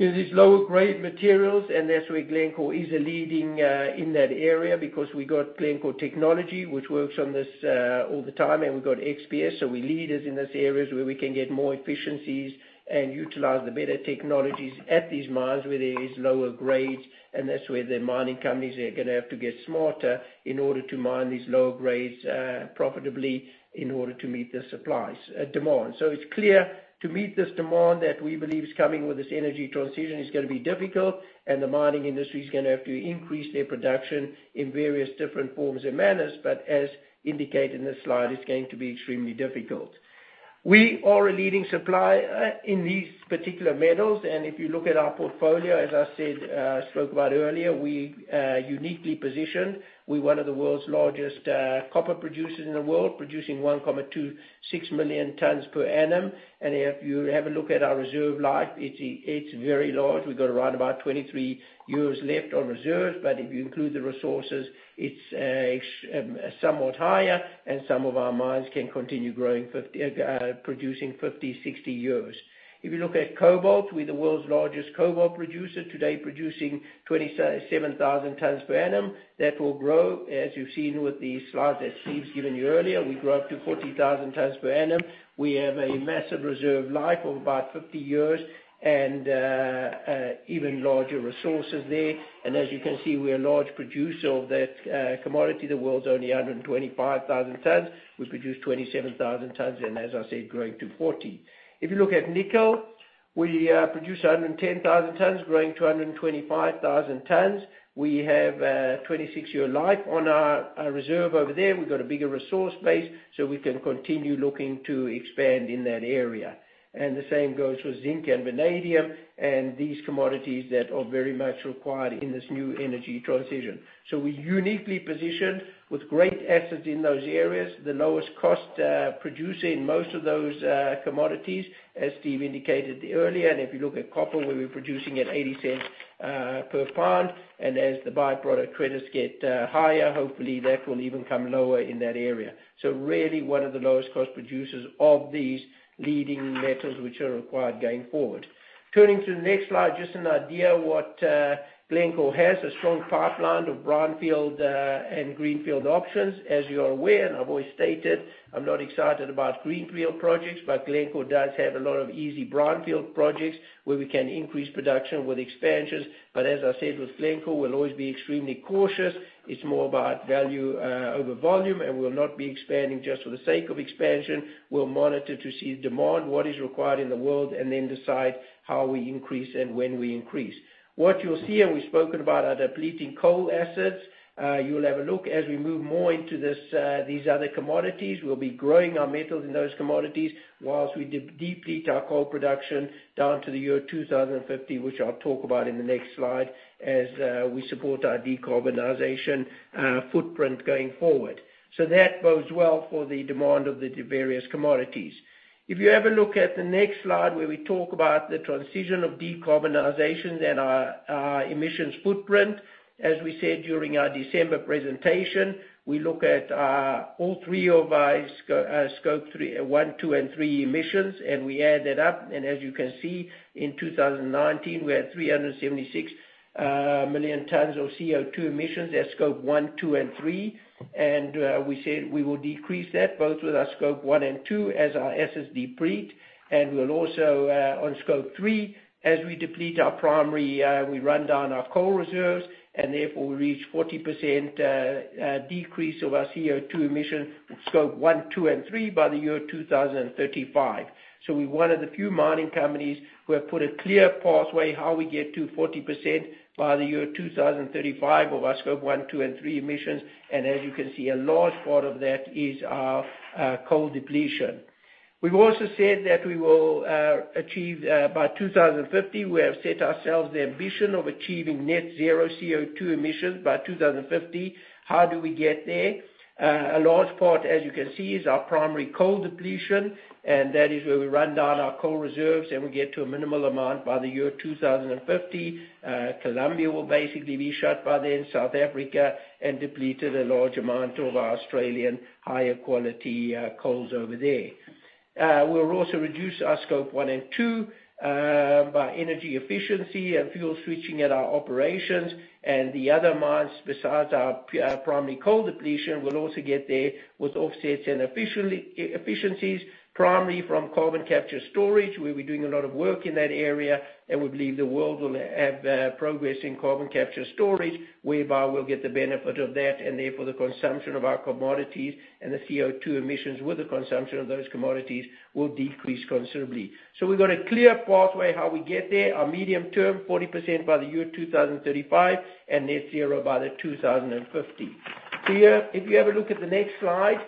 lower grade materials, and that's where Glencore is a leading in that area because we got Glencore Technology, which works on this all the time. We've got XPS, so we're leaders in those areas where we can get more efficiencies and utilize the better technologies at these mines where there is lower grades. That's where the mining companies are gonna have to get smarter in order to mine these lower grades profitably in order to meet the supplies demand. It's clear to meet this demand that we believe is coming with this energy transition is gonna be difficult, and the mining industry is gonna have to increase their production in various different forms and manners. As indicated in this slide, it's going to be extremely difficult. We are a leading supplier in these particular metals, and if you look at our portfolio, as I said, spoke about earlier, we are uniquely positioned. We're one of the world's largest copper producers in the world, producing 1.26 million tons per annum. If you have a look at our reserve life, it's very large. We've got around about 23 years left on reserves, but if you include the resources, it's somewhat higher, and some of our mines can continue growing, producing 50, 60 years. If you look at cobalt, we're the world's largest cobalt producer today, producing 27,000 tons per annum. That will grow, as you've seen with the slides that Steve's given you earlier. We grow up to 40,000 tons per annum. We have a massive reserve life of about 50 years and even larger resources there. As you can see, we're a large producer of that commodity. The world's only 125,000 tons. We produce 27,000 tons and as I said, growing to 40. If you look at nickel, we produce 110,000 tons growing to 125,000 tons. We have a 26-year life on our reserve over there. We've got a bigger resource base, so we can continue looking to expand in that area. The same goes for zinc and vanadium and these commodities that are very much required in this new energy transition. We're uniquely positioned with great assets in those areas, the lowest cost producer in most of those commodities, as Steve indicated earlier. If you look at copper, where we're producing at $0.80 per pound, and as the by-product credits get higher, hopefully that will even come lower in that area. Really one of the lowest cost producers of these leading metals, which are required going forward. Turning to the next slide, just an idea what Glencore has a strong pipeline of brownfield and greenfield options. As you are aware, and I've always stated, I'm not excited about greenfield projects, but Glencore does have a lot of easy brownfield projects where we can increase production with expansions. As I said, with Glencore, we'll always be extremely cautious. It's more about value over volume, and we'll not be expanding just for the sake of expansion. We'll monitor to see demand, what is required in the world, and then decide how we increase and when we increase. What you'll see, and we've spoken about our depleting coal assets, you will have a look as we move more into these other commodities. We'll be growing our metals in those commodities whilst we deplete our coal production down to the year 2050, which I'll talk about in the next slide as we support our decarbonization footprint going forward. That bodes well for the demand of the various commodities. If you have a look at the next slide where we talk about the transition of decarbonization and our emissions footprint, as we said during our December presentation, we look at all three of our Scope I, II, and III emissions, and we add that up. As you can see, in 2019, we had 376 million tons of CO2 emissions at Scope I, II, and III. We said we will decrease that both with our Scope I and II as our assets deplete. We'll also, on Scope III, as we deplete our primary, we run down our coal reserves, and therefore we reach 40% decrease of our CO2 emission Scope I, II, and III by the year 2035. We're one of the few mining companies who have put a clear pathway how we get to 40% by the year 2035 of our Scope I, II, and III emissions. As you can see, a large part of that is our coal depletion. We've also said that we will achieve by 2050. We have set ourselves the ambition of achieving net zero CO2 emissions by 2050. How do we get there? A large part, as you can see, is our primary coal depletion. That is where we run down our coal reserves. We get to a minimal amount by the year 2050. Colombia will basically be shut by then, South Africa, and depleted a large amount of our Australian higher quality coals over there. We'll also reduce our Scope I and II by energy efficiency and fuel switching at our operations. The other mines besides our primary coal depletion will also get there with offsets and efficiencies primarily from Carbon Capture and Storage. We'll be doing a lot of work in that area. We believe the world will have progress in Carbon Capture and Storage, whereby we'll get the benefit of that. Therefore, the consumption of our commodities and the CO2 emissions with the consumption of those commodities will decrease considerably. We've got a clear pathway how we get there. Our medium term, 40% by the year 2035 and net zero by 2050. Here, if you have a look at the next slide,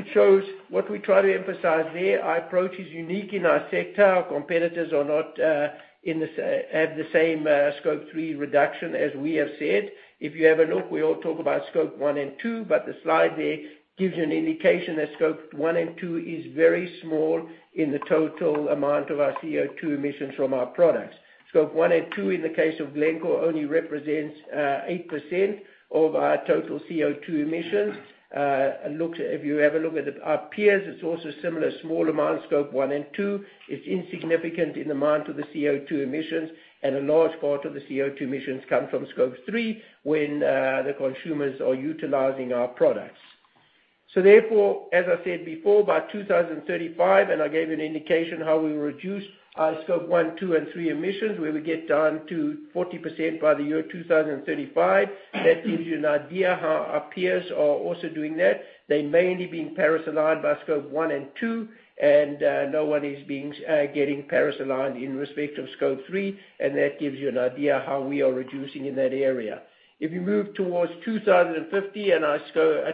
it shows what we try to emphasize there. Our approach is unique in our sector. Our competitors are not have the same Scope III reduction as we have said. If you have a look, we all talk about Scope I and II, but the slide there gives you an indication that Scope I and II is very small in the total amount of our CO2 emissions from our products. Scope I and II in the case of Glencore only represents 8% of our total CO2 emissions. If you have a look at our peers, it's also similar small amount Scope I and II. It's insignificant in amount of the CO2 emissions, and a large part of the CO2 emissions come from Scope III when the consumers are utilizing our products. As I said before, by 2035, and I gave an indication how we will reduce our Scope I, II, and III emissions, where we get down to 40% by the year 2035. That gives you an idea how our peers are also doing that. They mainly being Paris-aligned by Scope I and II, and no one is getting Paris-aligned in respect of Scope III, and that gives you an idea how we are reducing in that area. If you move towards 2050 and our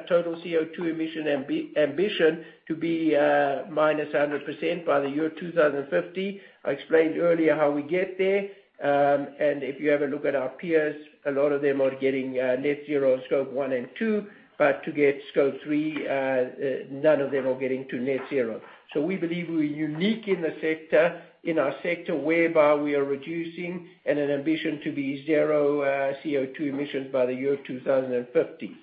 total CO2 emission ambition to be -100% by the year 2050, I explained earlier how we get there. If you have a look at our peers, a lot of them are getting net zero Scope I and II, but to get Scope III, none of them are getting to net zero. We believe we're unique in our sector, whereby we are reducing and an ambition to be zero CO2 emissions by the year 2050.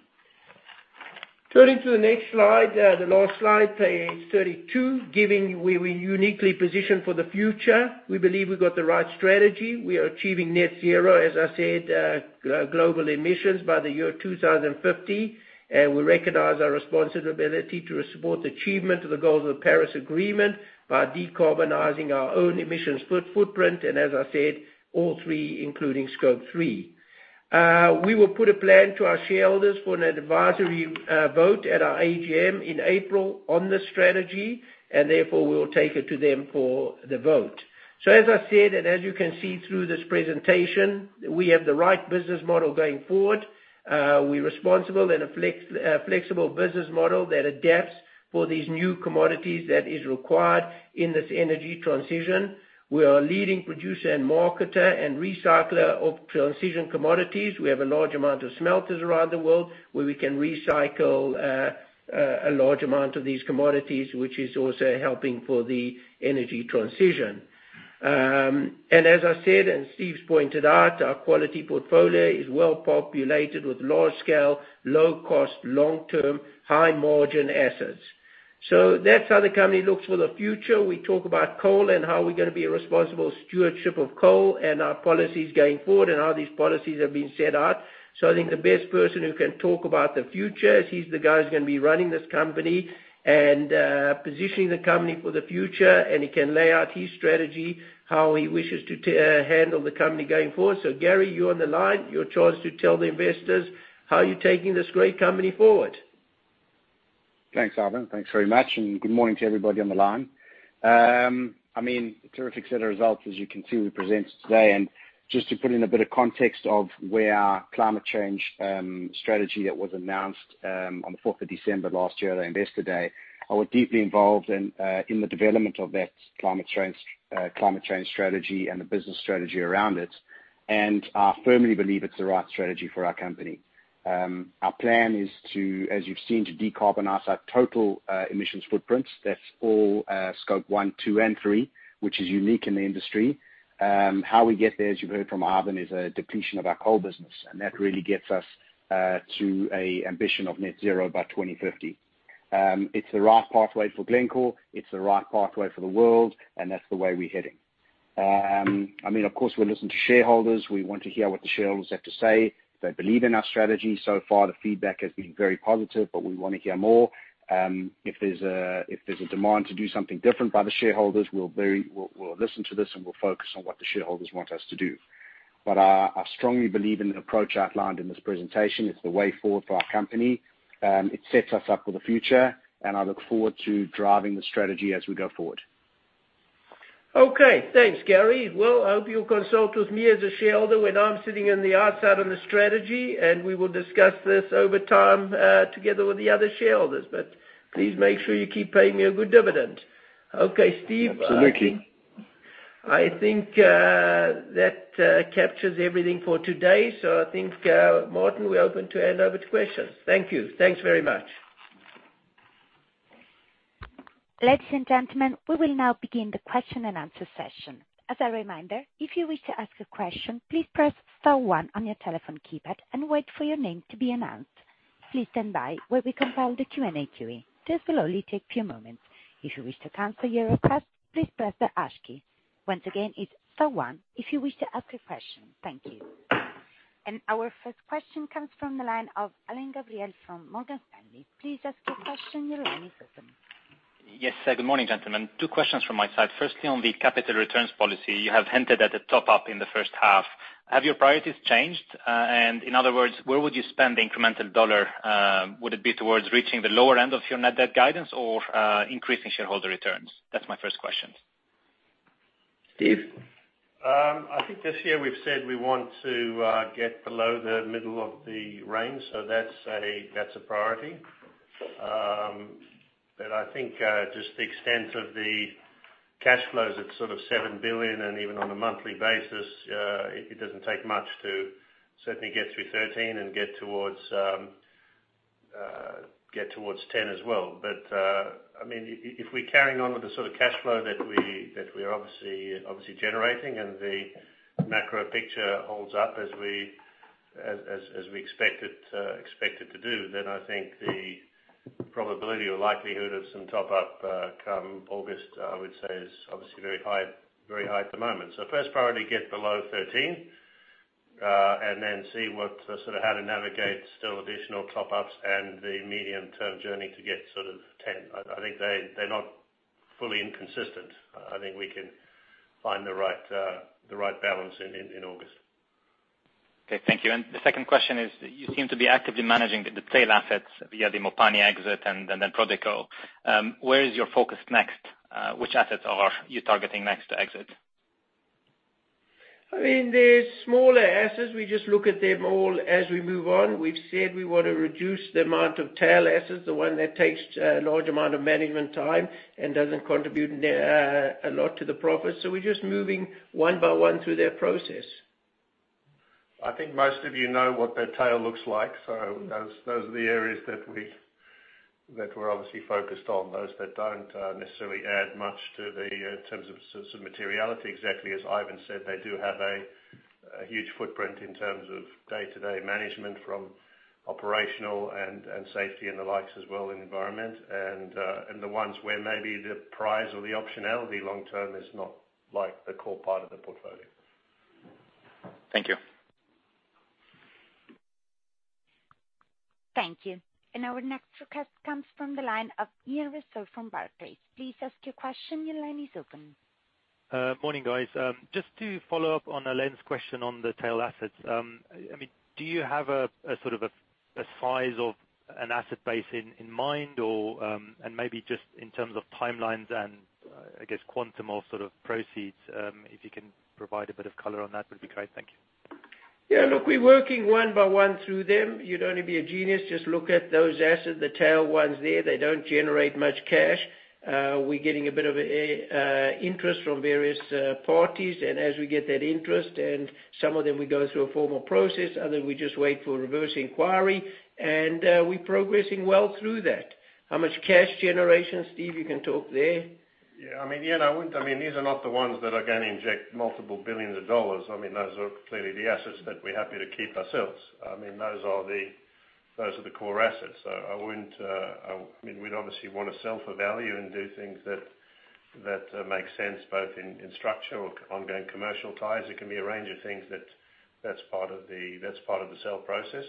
Turning to the next slide, the last slide, page 32, given we're uniquely positioned for the future. We believe we've got the right strategy. We are achieving net zero, as I said, global emissions by the year 2050. We recognize our responsibility to support the achievement of the goals of the Paris Agreement by decarbonizing our own emissions footprint, and as I said, all three including Scope III. We will put a plan to our shareholders for an advisory vote at our AGM in April on this strategy, and therefore, we will take it to them for the vote. As I said, and as you can see through this presentation, we have the right business model going forward. We're responsible and a flexible business model that adapts for these new commodities that is required in this energy transition. We are a leading producer and marketer and recycler of transition commodities. We have a large amount of smelters around the world, where we can recycle a large amount of these commodities, which is also helping for the energy transition. As I said, and Steve's pointed out, our quality portfolio is well-populated with large scale, low cost, long-term, high margin assets. That's how the company looks for the future. We talk about coal and how we're going to be a responsible stewardship of coal and our policies going forward and how these policies have been set out. I think the best person who can talk about the future, he's the guy who's going to be running this company and positioning the company for the future, and he can lay out his strategy, how he wishes to handle the company going forward. Gary, you're on the line. Your chance to tell the investors how you're taking this great company forward. Thanks, Ivan. Thanks very much. Good morning to everybody on the line. Terrific set of results as you can see we presented today. Just to put in a bit of context of where our climate change strategy that was announced on the 4th of December last year at our investor day, I was deeply involved in the development of that climate change strategy and the business strategy around it. I firmly believe it's the right strategy for our company. Our plan is to, as you've seen, to decarbonize our total emissions footprints. That's all Scope I, II and III, which is unique in the industry. How we get there, as you heard from Ivan, is a depletion of our coal business, and that really gets us to a ambition of net zero by 2050. It's the right pathway for Glencore, it's the right pathway for the world, and that's the way we're heading. Of course, we'll listen to shareholders. We want to hear what the shareholders have to say. They believe in our strategy. So far the feedback has been very positive, but we want to hear more. If there's a demand to do something different by the shareholders, we'll listen to this and we'll focus on what the shareholders want us to do. I strongly believe in the approach outlined in this presentation. It's the way forward for our company. It sets us up for the future, and I look forward to driving the strategy as we go forward. Okay. Thanks, Gary. Well, I hope you'll consult with me as a shareholder when I'm sitting on the outside on the strategy, and we will discuss this over time, together with the other shareholders. Please make sure you keep paying me a good dividend. Okay, Steve. Absolutely. I think that captures everything for today. I think, Martin, we're open to hand over to questions. Thank you. Thanks very much. Ladies and gentlemen, we will now begin the question and answer session. As a reminder, if you wish to ask a question, please press star one on your telephone keypad and wait for your name to be announced. Please stand by while we compile the Q&A queue. This will only take few moments. If you wish to cancel your request, please press the hash key. Once again, it's star one if you wish to ask a question. Thank you. Our first question comes from the line of Alain Gabriel from Morgan Stanley. Please ask your question. Yes. Good morning, gentlemen. Two questions from my side. Firstly, on the capital returns policy, you have hinted at a top-up in the H1. Have your priorities changed? In other words, where would you spend the incremental dollar? Would it be towards reaching the lower end of your net debt guidance or increasing shareholder returns? That's my first question. Steve. I think this year we've said we want to get below the middle of the range, so that's a priority. I think just the extent of the cash flows at sort of $7 billion and even on a monthly basis, it doesn't take much to certainly get through 13 and get towards 10 as well. If we're carrying on with the sort of cash flow that we're obviously generating and the macro picture holds up as we expect it to do, then I think the probability or likelihood of some top-up, come August, I would say is obviously very high at the moment. First priority, get below 13, and then see how to navigate still additional top-ups and the medium-term journey to get sort of 10. I think they're not fully inconsistent. I think we can find the right balance in August. Okay. Thank you. The second question is, you seem to be actively managing the tail assets via the Mopani exit and then Prodeco. Where is your focus next? Which assets are you targeting next to exit? There's smaller assets. We just look at them all as we move on. We've said we want to reduce the amount of tail assets, the one that takes a large amount of management time and doesn't contribute a lot to the profits. We're just moving one by one through that process. I think most of you know what that tail looks like. Those are the areas that we're obviously focused on those that don't necessarily add much to the terms of materiality. Exactly as Ivan said, they do have a huge footprint in terms of day-to-day management from operational and safety and the likes as well in environment. The ones where maybe the prize or the optionality long term is not the core part of the portfolio. Thank you. Thank you. Our next request comes from the line of Ian Rossouw from Barclays. Please ask your question. Your line is open. Morning, guys. Just to follow up on Alain's question on the tail assets. Do you have a size of an asset base in mind or, and maybe just in terms of timelines and, I guess quantum or sort of proceeds, if you can provide a bit of color on that would be great. Thank you. Yeah, look, we're working one by one through them. You'd only be a genius, just look at those assets, the tail ones there, they don't generate much cash. We're getting a bit of interest from various parties, and as we get that interest and some of them would go through a formal process, others we just wait for reverse inquiry. We're progressing well through that. How much cash generation, Steve, you can talk there. Yeah. Ian, these are not the ones that are going to inject multiple billions of dollars. Those are clearly the assets that we're happy to keep ourselves. Those are the core assets. We'd obviously want to sell for value and do things that make sense, both in structure or ongoing commercial ties. It can be a range of things, that's part of the sell process.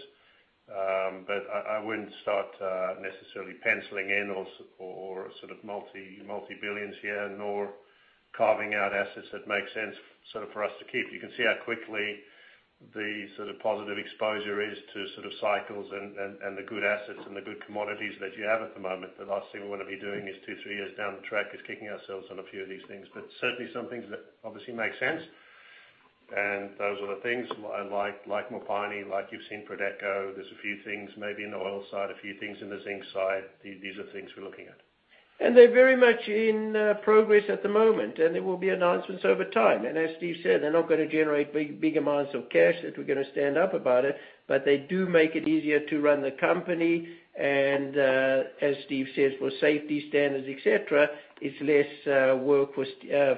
I wouldn't start necessarily penciling in or multi-billions here nor carving out assets that make sense for us to keep. You can see how quickly the sort of positive exposure is to cycles and the good assets and the good commodities that you have at the moment. The last thing we want to be doing is two, three years down the track is kicking ourselves on a few of these things. Certainly some things that obviously make sense. Those are the things like Mopani, like you've seen Prodeco. There's a few things maybe in the oil side, a few things in the zinc side. These are things we're looking at. They're very much in progress at the moment, and there will be announcements over time. As Steve said, they're not going to generate big amounts of cash that we're going to stand up about it, but they do make it easier to run the company. As Steve says, for safety standards, et cetera, it's less work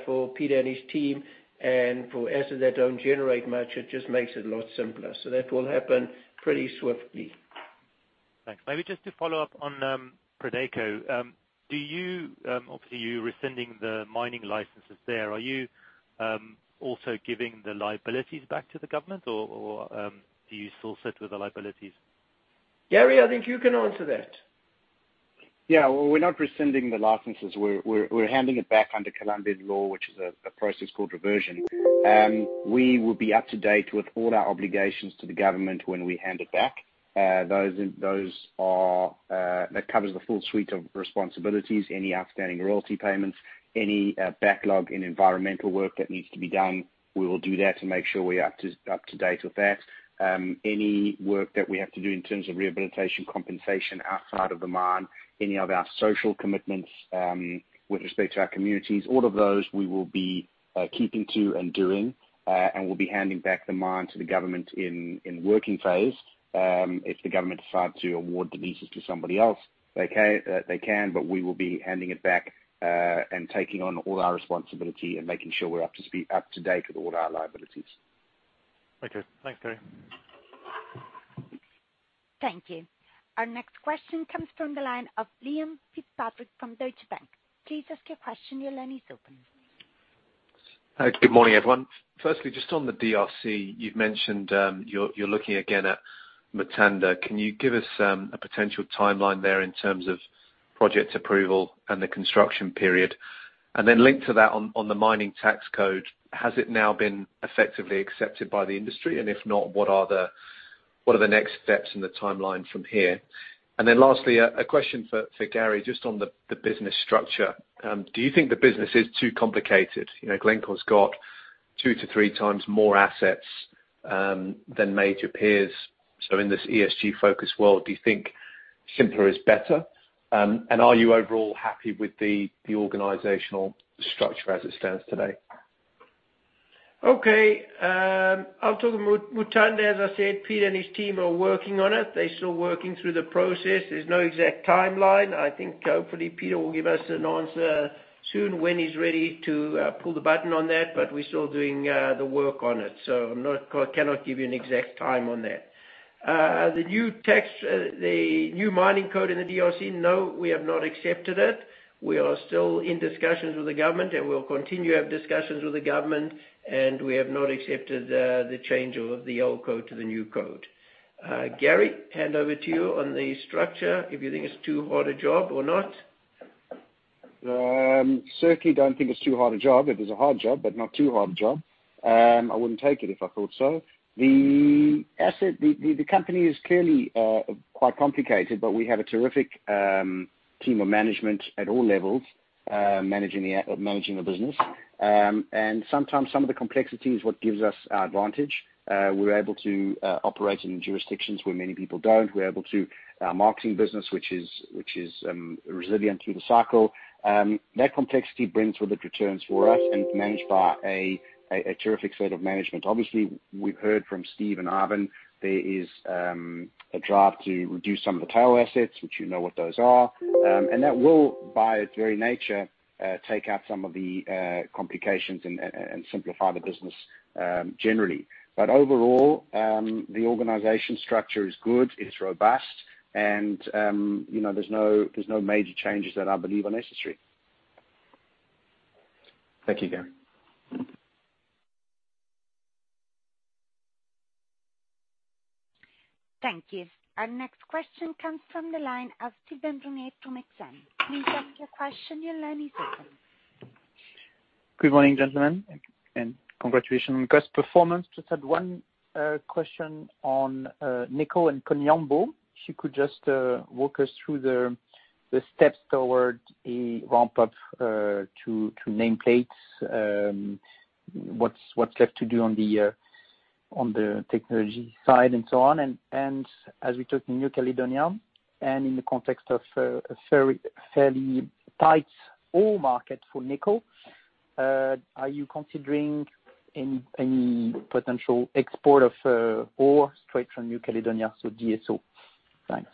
for Peter and his team. For assets that don't generate much, it just makes it a lot simpler. That will happen pretty swiftly. Thanks. Just to follow up on Prodeco. You're rescinding the mining licenses there. Are you also giving the liabilities back to the government or do you still sit with the liabilities? Gary, I think you can answer that. Yeah. Well, we're not rescinding the licenses. We're handing it back under Colombian law, which is a process called reversion. We will be up to date with all our obligations to the government when we hand it back. That covers the full suite of responsibilities, any outstanding royalty payments, any backlog in environmental work that needs to be done, we will do that to make sure we are up to date with that. Any work that we have to do in terms of rehabilitation compensation outside of the mine, any of our social commitments, with respect to our communities, all of those we will be keeping to and doing, and we'll be handing back the mine to the government in working phase. If the government decide to award the leases to somebody else, they can, but we will be handing it back, and taking on all our responsibility and making sure we're up to date with all our liabilities. Okay. Thanks, Gary. Thank you. Our next question comes from the line of Liam Fitzpatrick from Deutsche Bank. Please ask your question. Your line is open. Good morning, everyone. Firstly, just on the DRC, you've mentioned you're looking again at Mutanda. Can you give us a potential timeline there in terms of project approval and the construction period? Linked to that on the mining tax code, has it now been effectively accepted by the industry? If not, what are the next steps in the timeline from here? Lastly, a question for Gary, just on the business structure. Do you think the business is too complicated? Glencore's got two to three times more assets than major peers. In this ESG focus world, do you think simpler is better? Are you overall happy with the organizational structure as it stands today? Okay. I'll talk about Mutanda. As I said, Peter and his team are working on it. They're still working through the process. There's no exact timeline. I think hopefully Peter will give us an answer soon when he's ready to pull the button on that. We're still doing the work on it, so I cannot give you an exact time on that. The new mining code in the DRC, no, we have not accepted it. We are still in discussions with the government, and we'll continue to have discussions with the government, and we have not accepted the change of the old code to the new code. Gary, hand over to you on the structure if you think it's too hard a job or not. Certainly don't think it's too hard a job. It is a hard job, but not too hard a job. I wouldn't take it if I thought so. The company is clearly quite complicated but we have a terrific team of management at all levels, managing the business. Sometimes some of the complexity is what gives us advantage. We're able to operate in jurisdictions where many people don't. We're able to marketing business, which is resilient through the cycle. That complexity brings with it returns for us and it's managed by a terrific set of management. Obviously, we've heard from Steve and Ivan, there is a drive to reduce some of the tail assets, which you know what those are. That will, by its very nature, take out some of the complications and simplify the business generally. Overall, the organization structure is good, it's robust and there's no major changes that I believe are necessary. Thank you, Gary. Thank you. Our next question comes from the line of Sylvain Brunet from Exane. Good morning, gentlemen, and congratulations on cost performance. Just had one question on nickel and Koniambo. If you could just walk us through the steps toward a ramp-up to nameplates, what's left to do on the technology side, and so on. As we talk New Caledonia and in the context of a fairly tight ore market for nickel, are you considering any potential export of ore straight from New Caledonia, so DSO? Thanks.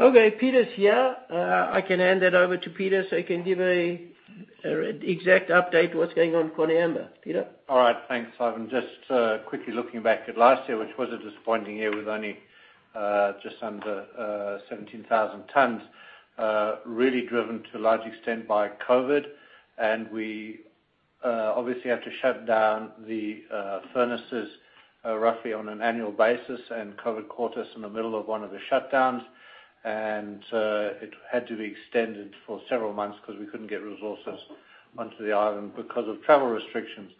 Okay. Peter's here. I can hand it over to Peter so he can give an exact update what's going on Koniambo. Peter? All right. Thanks, Ivan. Just quickly looking back at last year, which was a disappointing year with only just under 17,000 tons really driven to a large extent by COVID, and we obviously had to shut down the furnaces roughly on an annual basis, and COVID caught us in the middle of one of the shutdowns, and it had to be extended for several months because we couldn't get resources onto the island because of travel restrictions.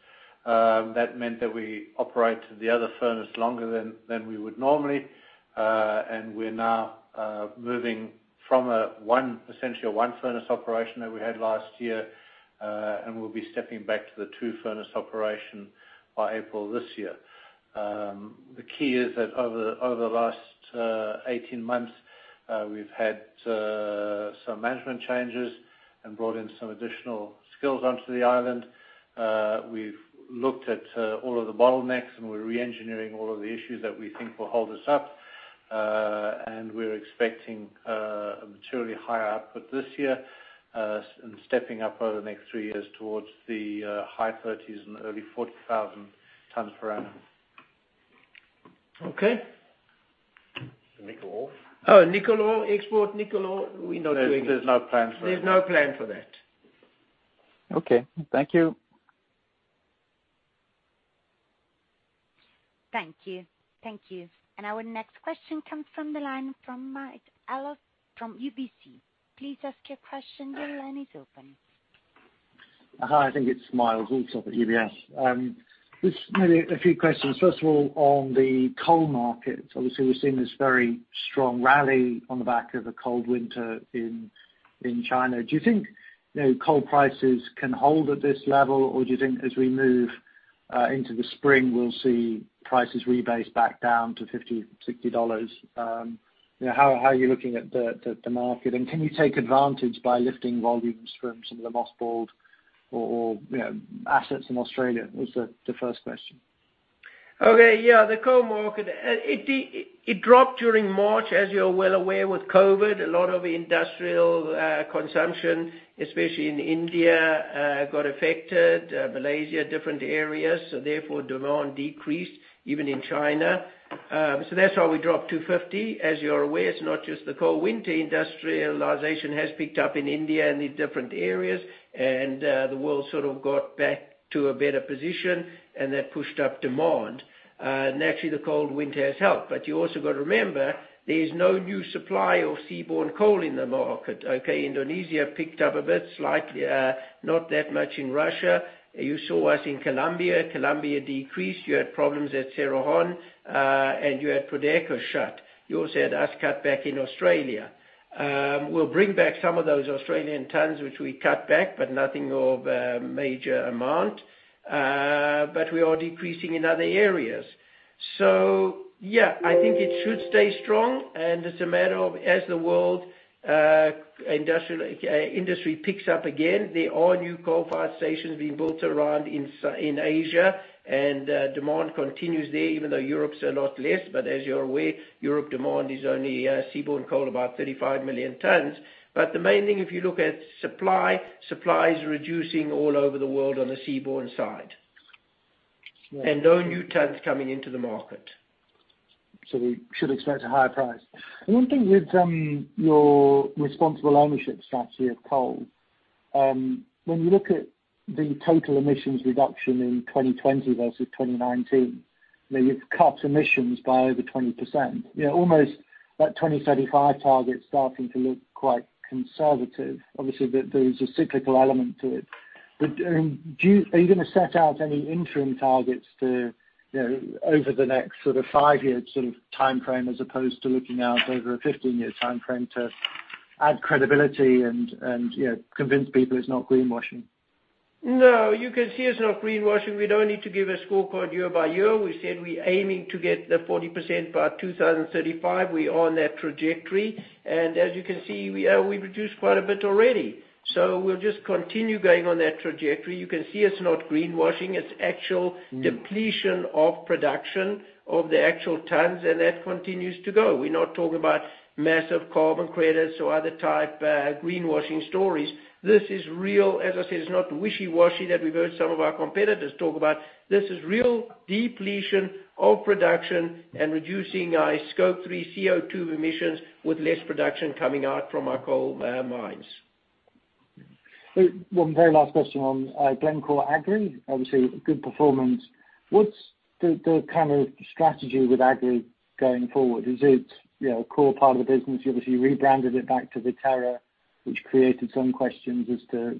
That meant that we operated the other furnace longer than we would normally. We're now moving from essentially a one furnace operation that we had last year, and we'll be stepping back to the two furnace operation by April this year. The key is that over the last 18 months, we've had some management changes and brought in some additional skills onto the island. We've looked at all of the bottlenecks, we're re-engineering all of the issues that we think will hold us up. We're expecting a materially higher output this year, stepping up over the next three years towards the high 30,000 and early 40,000 tons per annum. Okay. Nickel ore? Oh, nickel ore export. Nickel ore, we're not doing it. There's no plan for that. There's no plan for that. Okay. Thank you. Thank you. Our next question comes from the line from Myles from UBS. Hi, I think it's Myles Allsop at UBS. Just maybe a few questions. First of all, on the coal market, obviously, we're seeing this very strong rally on the back of a cold winter in China. Do you think coal prices can hold at this level, or do you think as we move into the spring, we'll see prices rebase back down to $50-$60? How are you looking at the market, and can you take advantage by lifting volumes from some of the mothballed or assets in Australia? Was the first question. The coal market dropped during March, as you're well aware, with COVID-19. A lot of industrial consumption, especially in India, Malaysia, different areas, got affected. Therefore, demand decreased even in China. That's why we dropped to $50. As you're aware, it's not just the cold winter. Industrialization has picked up in India and these different areas, and the world sort of got back to a better position, and that pushed up demand. Naturally, the cold winter has helped. You also got to remember, there is no new supply of seaborne coal in the market, okay? Indonesia picked up a bit slightly, not that much in Russia. You saw us in Colombia. Colombia decreased. You had problems at Cerrejón, and you had Prodeco shut. You also had us cut back in Australia. We'll bring back some of those Australian tons, which we cut back, but nothing of a major amount. We are decreasing in other areas. Yeah, I think it should stay strong, and it's a matter of as the world industry picks up again, there are new coal-fired stations being built around in Asia and demand continues there, even though Europe's a lot less. As you're aware, Europe demand is only seaborne coal about 35 million tons. The main thing, if you look at supply is reducing all over the world on the seaborne side. No new tons coming into the market. We should expect a higher price. One thing with your responsible ownership strategy of coal, when you look at the total emissions reduction in 2020 versus 2019, you've cut emissions by over 20%. Almost that 2035 target's starting to look quite conservative. Obviously, there's a cyclical element to it. Are you gonna set out any interim targets over the next sort of five-year sort of timeframe, as opposed to looking out over a 15-year timeframe to add credibility and convince people it's not greenwashing? No. You can see it's not greenwashing. We don't need to give a scorecard year by year. We said we're aiming to get to 40% by 2035. We are on that trajectory. As you can see, we've reduced quite a bit already. We'll just continue going on that trajectory. You can see it's not greenwashing. It's actual depletion of production of the actual tons, and that continues to go. We're not talking about massive carbon credits or other type greenwashing stories. This is real. As I said, it's not wishy-washy that we've heard some of our competitors talk about. This is real depletion of production and reducing our Scope III CO2 emissions with less production coming out from our coal mines. One very last question on Glencore Agri. Obviously, good performance. What's the strategy with Agri going forward? Is it a core part of the business? You obviously rebranded it back to Viterra, which created some questions as to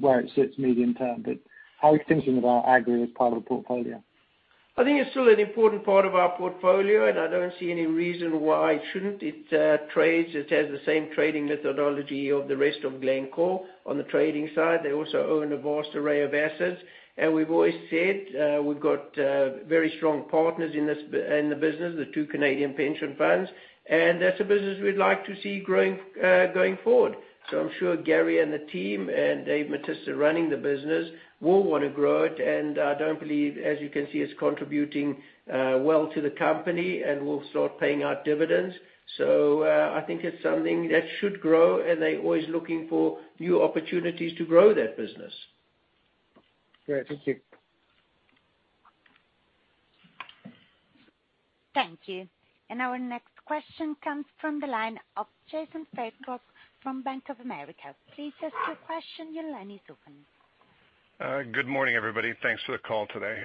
where it sits medium-term, but how are you thinking about Agri as part of the portfolio? I think it's still an important part of our portfolio, and I don't see any reason why it shouldn't. It trades. It has the same trading methodology of the rest of Glencore on the trading side. They also own a vast array of assets. We've always said, we've got very strong partners in the business, the two Canadian pension funds, and that's a business we'd like to see growing going forward. I'm sure Gary and the team, and Dave Mattiske running the business will want to grow it, and I don't believe, as you can see, it's contributing well to the company and will start paying out dividends. I think it's something that should grow, and they're always looking for new opportunities to grow that business. Great. Thank you. Thank you. Our next question comes from the line of Jason Fairclough from Bank of America. Please ask your question. Your line is open. Good morning, everybody. Thanks for the call today.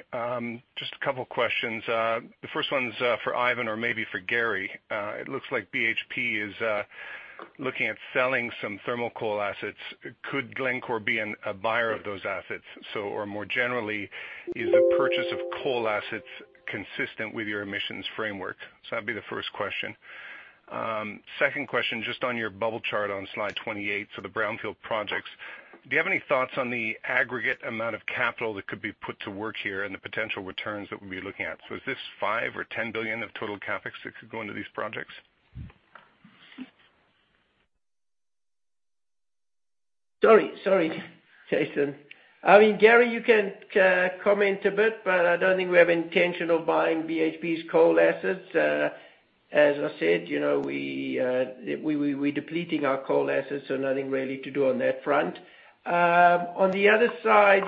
Just a couple questions. The first one's for Ivan or maybe for Gary. It looks like BHP is looking at selling some thermal coal assets. Could Glencore be a buyer of those assets? Or more generally, is the purchase of coal assets consistent with your emissions framework? That'd be the first question. Second question, just on your bubble chart on slide 28, the brownfield projects, do you have any thoughts on the aggregate amount of capital that could be put to work here and the potential returns that we'd be looking at? Is this $5 billion or $10 billion of total CapEx that could go into these projects? Sorry, Jason. Gary, you can comment a bit, but I don't think we have intention of buying BHP's coal assets. As I said, we're depleting our coal assets, so nothing really to do on that front. On the other side,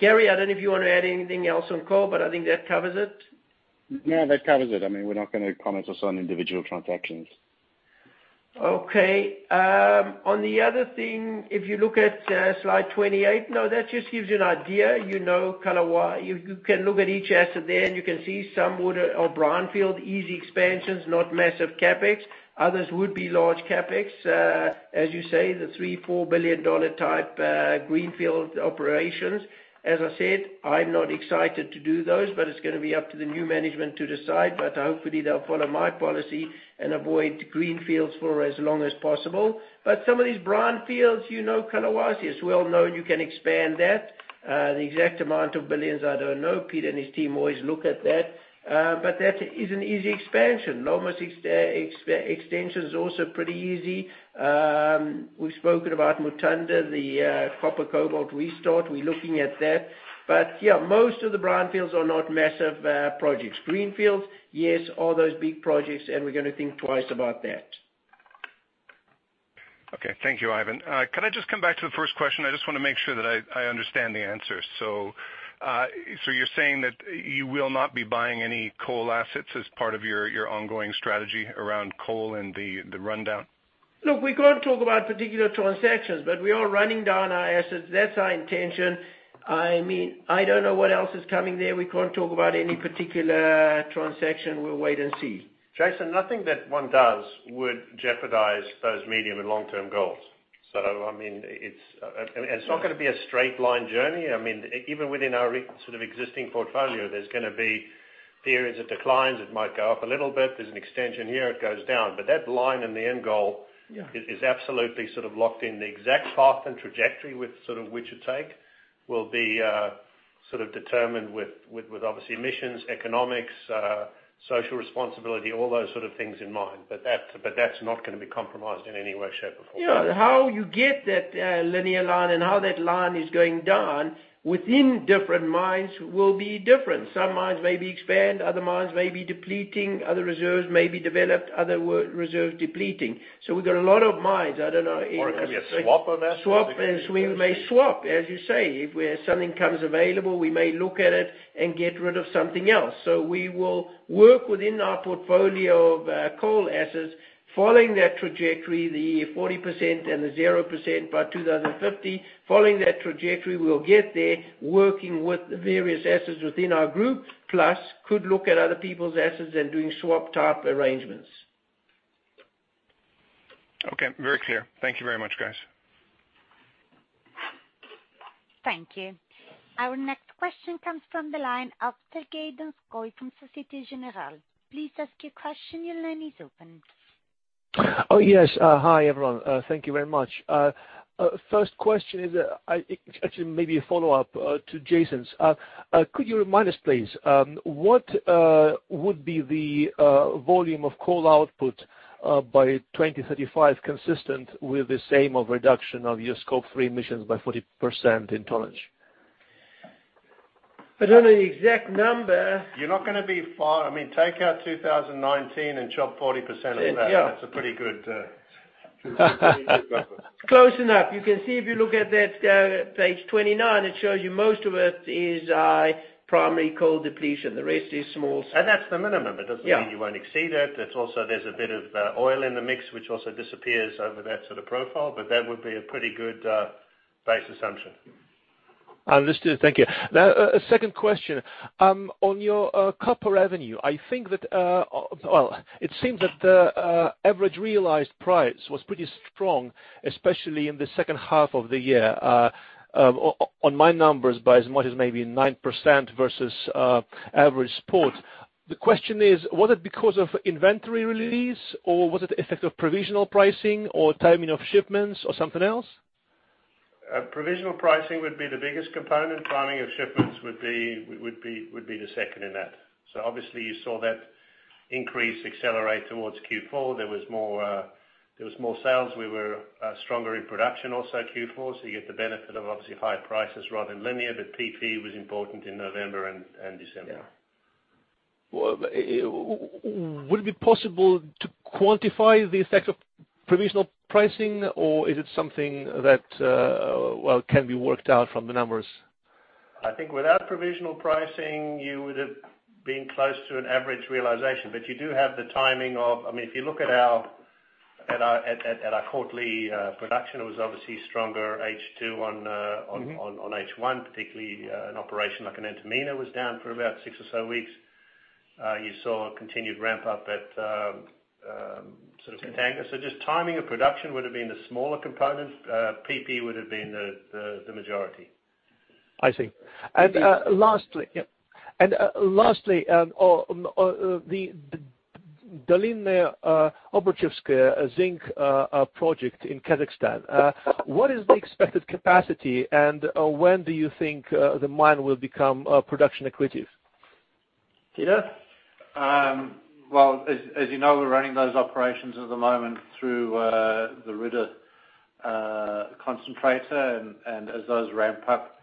Gary, I don't know if you want to add anything else on coal, but I think that covers it. No, that covers it. We're not going to comment just on individual transactions. Okay. On the other thing, if you look at slide 28, that just gives you an idea. You can look at each asset there, you can see some are brownfield, easy expansions, not massive CapEx. Others would be large CapEx. As you say, the $3 billion-$4 billion-type greenfield operations. As I said, I'm not excited to do those, but it's going to be up to the new management to decide, but hopefully they'll follow my policy and avoid greenfields for as long as possible. Some of these brownfields, you know Collahuasi is well-known. You can expand that. The exact amount of billions, I don't know. Peter and his team always look at that. That is an easy expansion. Lomas Bayas extension is also pretty easy. We've spoken about Mutanda, the copper-cobalt restart. We're looking at that. Yeah, most of the brownfields are not massive projects. Greenfields, yes, all those big projects, and we're going to think twice about that. Okay. Thank you, Ivan. Could I just come back to the first question? I just want to make sure that I understand the answer. You're saying that you will not be buying any coal assets as part of your ongoing strategy around coal and the rundown? Look, we can't talk about particular transactions, but we are running down our assets. That's our intention. I don't know what else is coming there. We can't talk about any particular transaction. We'll wait and see. Jason, nothing that one does would jeopardize those medium and long-term goals. It's not going to be a straight line journey. Even within our existing portfolio, there's going to be periods of declines. It might go up a little bit. There's an extension here, it goes down. That line and the end goal is absolutely locked in. The exact path and trajectory which it take will be determined with obviously emissions, economics, social responsibility, all those sort of things in mind. That's not going to be compromised in any way, shape, or form. Yeah. How you get that linear line and how that line is going down within different mines will be different. Some mines may be expand, other mines may be depleting, other reserves may be developed, other reserves depleting. We've got a lot of mines. It could be a swap of assets. Swap and swing. We may swap, as you say. If something comes available, we may look at it and get rid of something else. We will work within our portfolio of coal assets following that trajectory, the 40% and the 0% by 2050. Following that trajectory, we'll get there working with the various assets within our group, plus could look at other people's assets and doing swap-type arrangements. Okay. Very clear. Thank you very much, guys. Thank you. Our next question comes from the line of Sergey Donskoy from Societe Generale. Please ask your question. Your line is open. Yes. Hi, everyone. Thank you very much. First question is actually maybe a follow-up to Jason's. Could you remind us, please, what would be the volume of coal output by 2035 consistent with this aim of reduction of your Scope III emissions by 40% in tonnage? I don't know the exact number. You're not going to be far. Take out 2019 and chop 40% off that. Yeah. That's a pretty good number. Close enough. You can see if you look at that page 29, it shows you most of it is primary coal depletion. The rest is small stuff. That's the minimum. Yeah. It doesn't mean you won't exceed it. There's a bit of oil in the mix, which also disappears over that sort of profile, but that would be a pretty good base assumption. Understood. Thank you. A second question. On your copper revenue, it seems that the average realized price was pretty strong, especially in the H2 of the year. On my numbers, by as much as maybe 9% versus average spot. The question is, was it because of inventory release, or was it effect of provisional pricing or timing of shipments or something else? Provisional pricing would be the biggest component. Timing of shipments would be the second in that. Obviously you saw that increase accelerate towards Q4. There was more sales. We were stronger in production also Q4, so you get the benefit of obviously higher prices rather than linear, but PP was important in November and December. Yeah. Would it be possible to quantify the effect of provisional pricing, or is it something that can be worked out from the numbers? I think without provisional pricing, you would've been close to an average realization. If you look at our quarterly production, it was obviously stronger H2 on H1, particularly an operation like Antamina was down for about six or so weeks. You saw a continued ramp-up at sort of Mutanda. Just timing of production would've been a smaller component. PP would've been the majority. I see. Lastly, the Dolinnoe-Obukhovskoye zinc project in Kazakhstan. What is the expected capacity, and when do you think the mine will become production accretive? Peter? Well, as you know, we're running those operations at the moment through the Ridder concentrator. As those ramp up,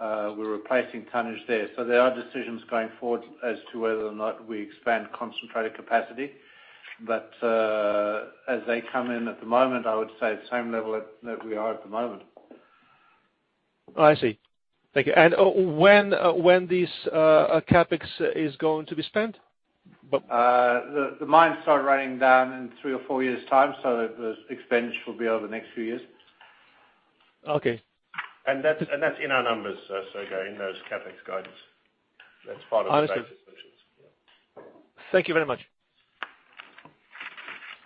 we're replacing tonnage there. There are decisions going forward as to whether or not we expand concentrated capacity. As they come in at the moment, I would say same level that we are at the moment. Oh, I see. Thank you. When this CapEx is going to be spent? The mines start running down in three or four years' time, so the expense will be over the next few years. Okay. That's in our numbers, Sergey, in those CapEx guidance. That's part of those decisions. Understood. Thank you very much.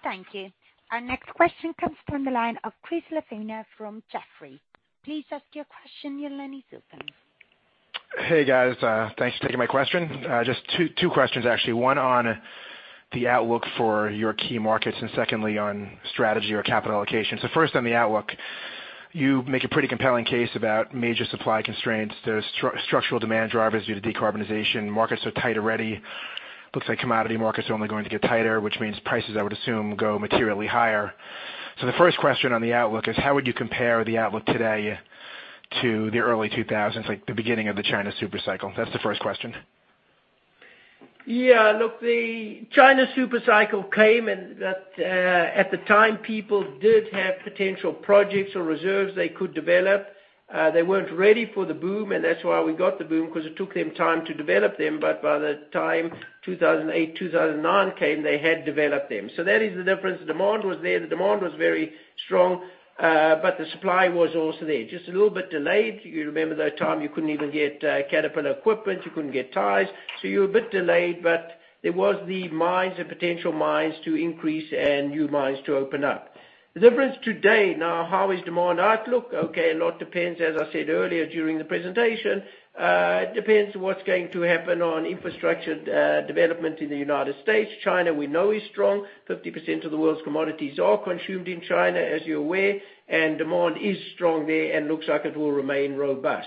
Thank you. Our next question comes from the line of Chris LaFemina from Jefferies. Please ask your question, your line is open. Hey, guys. Thanks for taking my question. Just two questions, actually. One on the outlook for your key markets, and secondly on strategy or capital allocation. First on the outlook, you make a pretty compelling case about major supply constraints. There's structural demand drivers due to decarbonization. Markets are tight already. Looks like commodity markets are only going to get tighter, which means prices, I would assume, go materially higher. The first question on the outlook is how would you compare the outlook today to the early 2000s, like the beginning of the China super cycle? That's the first question. Yeah. Look, the China super cycle came and at the time people did have potential projects or reserves they could develop. They weren't ready for the boom and that's why we got the boom, because it took them time to develop them. By the time 2008, 2009 came, they had developed them. That is the difference. The demand was there. The demand was very strong. The supply was also there, just a little bit delayed. You remember that time you couldn't even get Caterpillar equipment, you couldn't get tires, so you were a bit delayed, but there was the mines, the potential mines to increase and new mines to open up. The difference today, now how is demand outlook? Okay, a lot depends, as I said earlier during the presentation. It depends what's going to happen on infrastructure development in the U.S. China, we know is strong. 50% of the world's commodities are consumed in China, as you're aware, demand is strong there and looks like it will remain robust.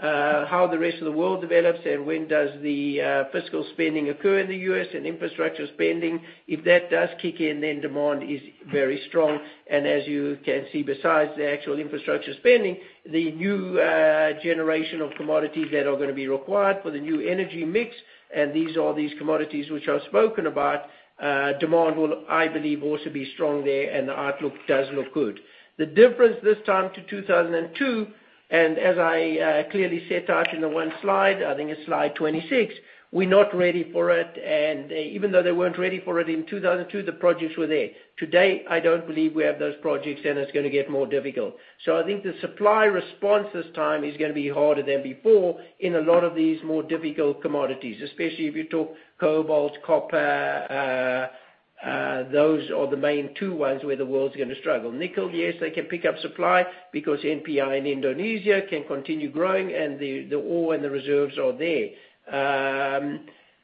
How the rest of the world develops and when does the fiscal spending occur in the U.S. and infrastructure spending? If that does kick in, then demand is very strong. As you can see, besides the actual infrastructure spending, the new generation of commodities that are gonna be required for the new energy mix, and these are all these commodities which I've spoken about, demand will, I believe, also be strong there and the outlook does look good. The difference this time to 2002, and as I clearly set out in the one slide, I think it's slide 26, we're not ready for it and even though they weren't ready for it in 2002, the projects were there. Today, I don't believe we have those projects and it's gonna get more difficult. I think the supply response this time is gonna be harder than before in a lot of these more difficult commodities, especially if you talk cobalt, copper. Those are the main two ones where the world's gonna struggle. Nickel, yes, they can pick up supply because NPI in Indonesia can continue growing and the ore and the reserves are there.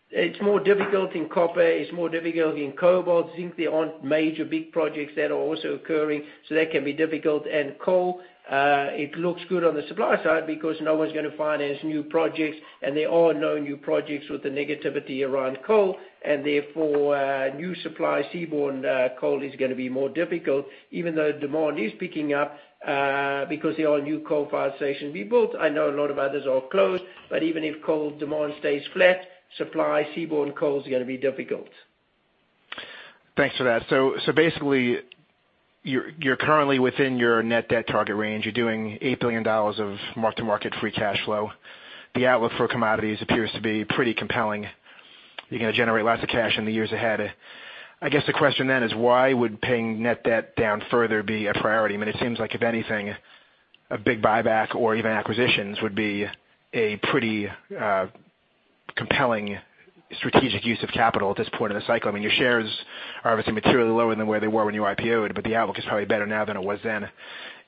It's more difficult in copper. It's more difficult in cobalt. Zinc, there aren't major big projects that are also occurring, that can be difficult. Coal, it looks good on the supply side because no one's gonna finance new projects and there are no new projects with the negativity around coal and therefore, new supply seaborne coal is gonna be more difficult even though demand is picking up, because there are new coal-fired stations being built. I know a lot of others are closed, but even if coal demand stays flat, supply seaborne coal is gonna be difficult. Thanks for that. Basically, you're currently within your net debt target range. You're doing $8 billion of mark-to-market free cash flow. The outlook for commodities appears to be pretty compelling. You're going to generate lots of cash in the years ahead. I guess the question then is why would paying net debt down further be a priority? It seems like if anything, a big buyback or even acquisitions would be a pretty compelling strategic use of capital at this point in the cycle. Your shares are obviously materially lower than where they were when you IPO-ed, but the outlook is probably better now than it was then.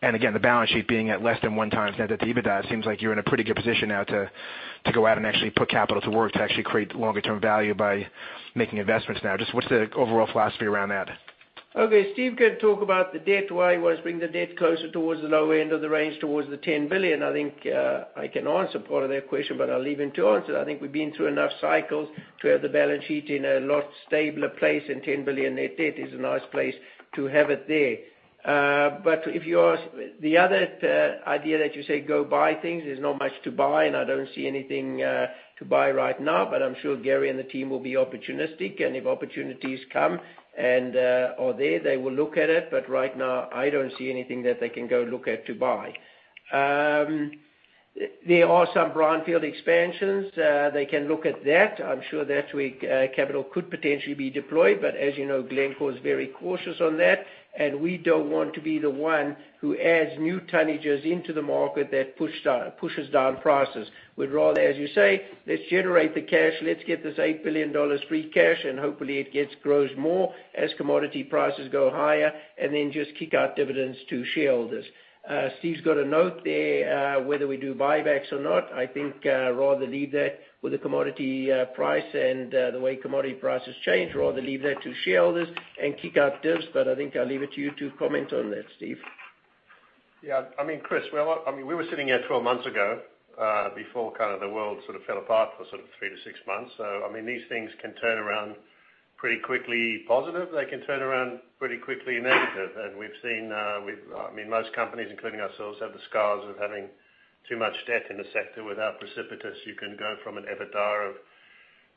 Again, the balance sheet being at less than one times net debt to EBITDA, it seems like you're in a pretty good position now to go out and actually put capital to work, to actually create longer term value by making investments now. Just what's the overall philosophy around that? Okay. Steve can talk about the debt, why he wants to bring the debt closer towards the lower end of the range, towards the $10 billion. I think I can answer part of that question. I'll leave him to answer. I think we've been through enough cycles to have the balance sheet in a lot stabler place. $10 billion net debt is a nice place to have it there. The other idea that you say, go buy things, there's not much to buy. I don't see anything to buy right now. I'm sure Gary and the team will be opportunistic. If opportunities come or there, they will look at it. Right now, I don't see anything that they can go look at to buy. There are some brownfield expansions. They can look at that. I'm sure that way capital could potentially be deployed. As you know, Glencore is very cautious on that, and we don't want to be the one who adds new tonnages into the market that pushes down prices. We'd rather, as you say, let's generate the cash. Let's get this $8 billion free cash, and hopefully it grows more as commodity prices go higher, and then just kick out dividends to shareholders. Steve's got a note there, whether we do buybacks or not. I think, rather leave that with the commodity price and the way commodity prices change. Rather leave that to shareholders and kick out dividends. I think I'll leave it to you to comment on that, Steve. Yeah. Chris, we were sitting here 12 months ago, before the world sort of fell apart for three to six months. These things can turn around pretty quickly positive. They can turn around pretty quickly negative. We've seen, most companies, including ourselves, have the scars of having too much debt in the sector without precipitous. You can go from an EBITDA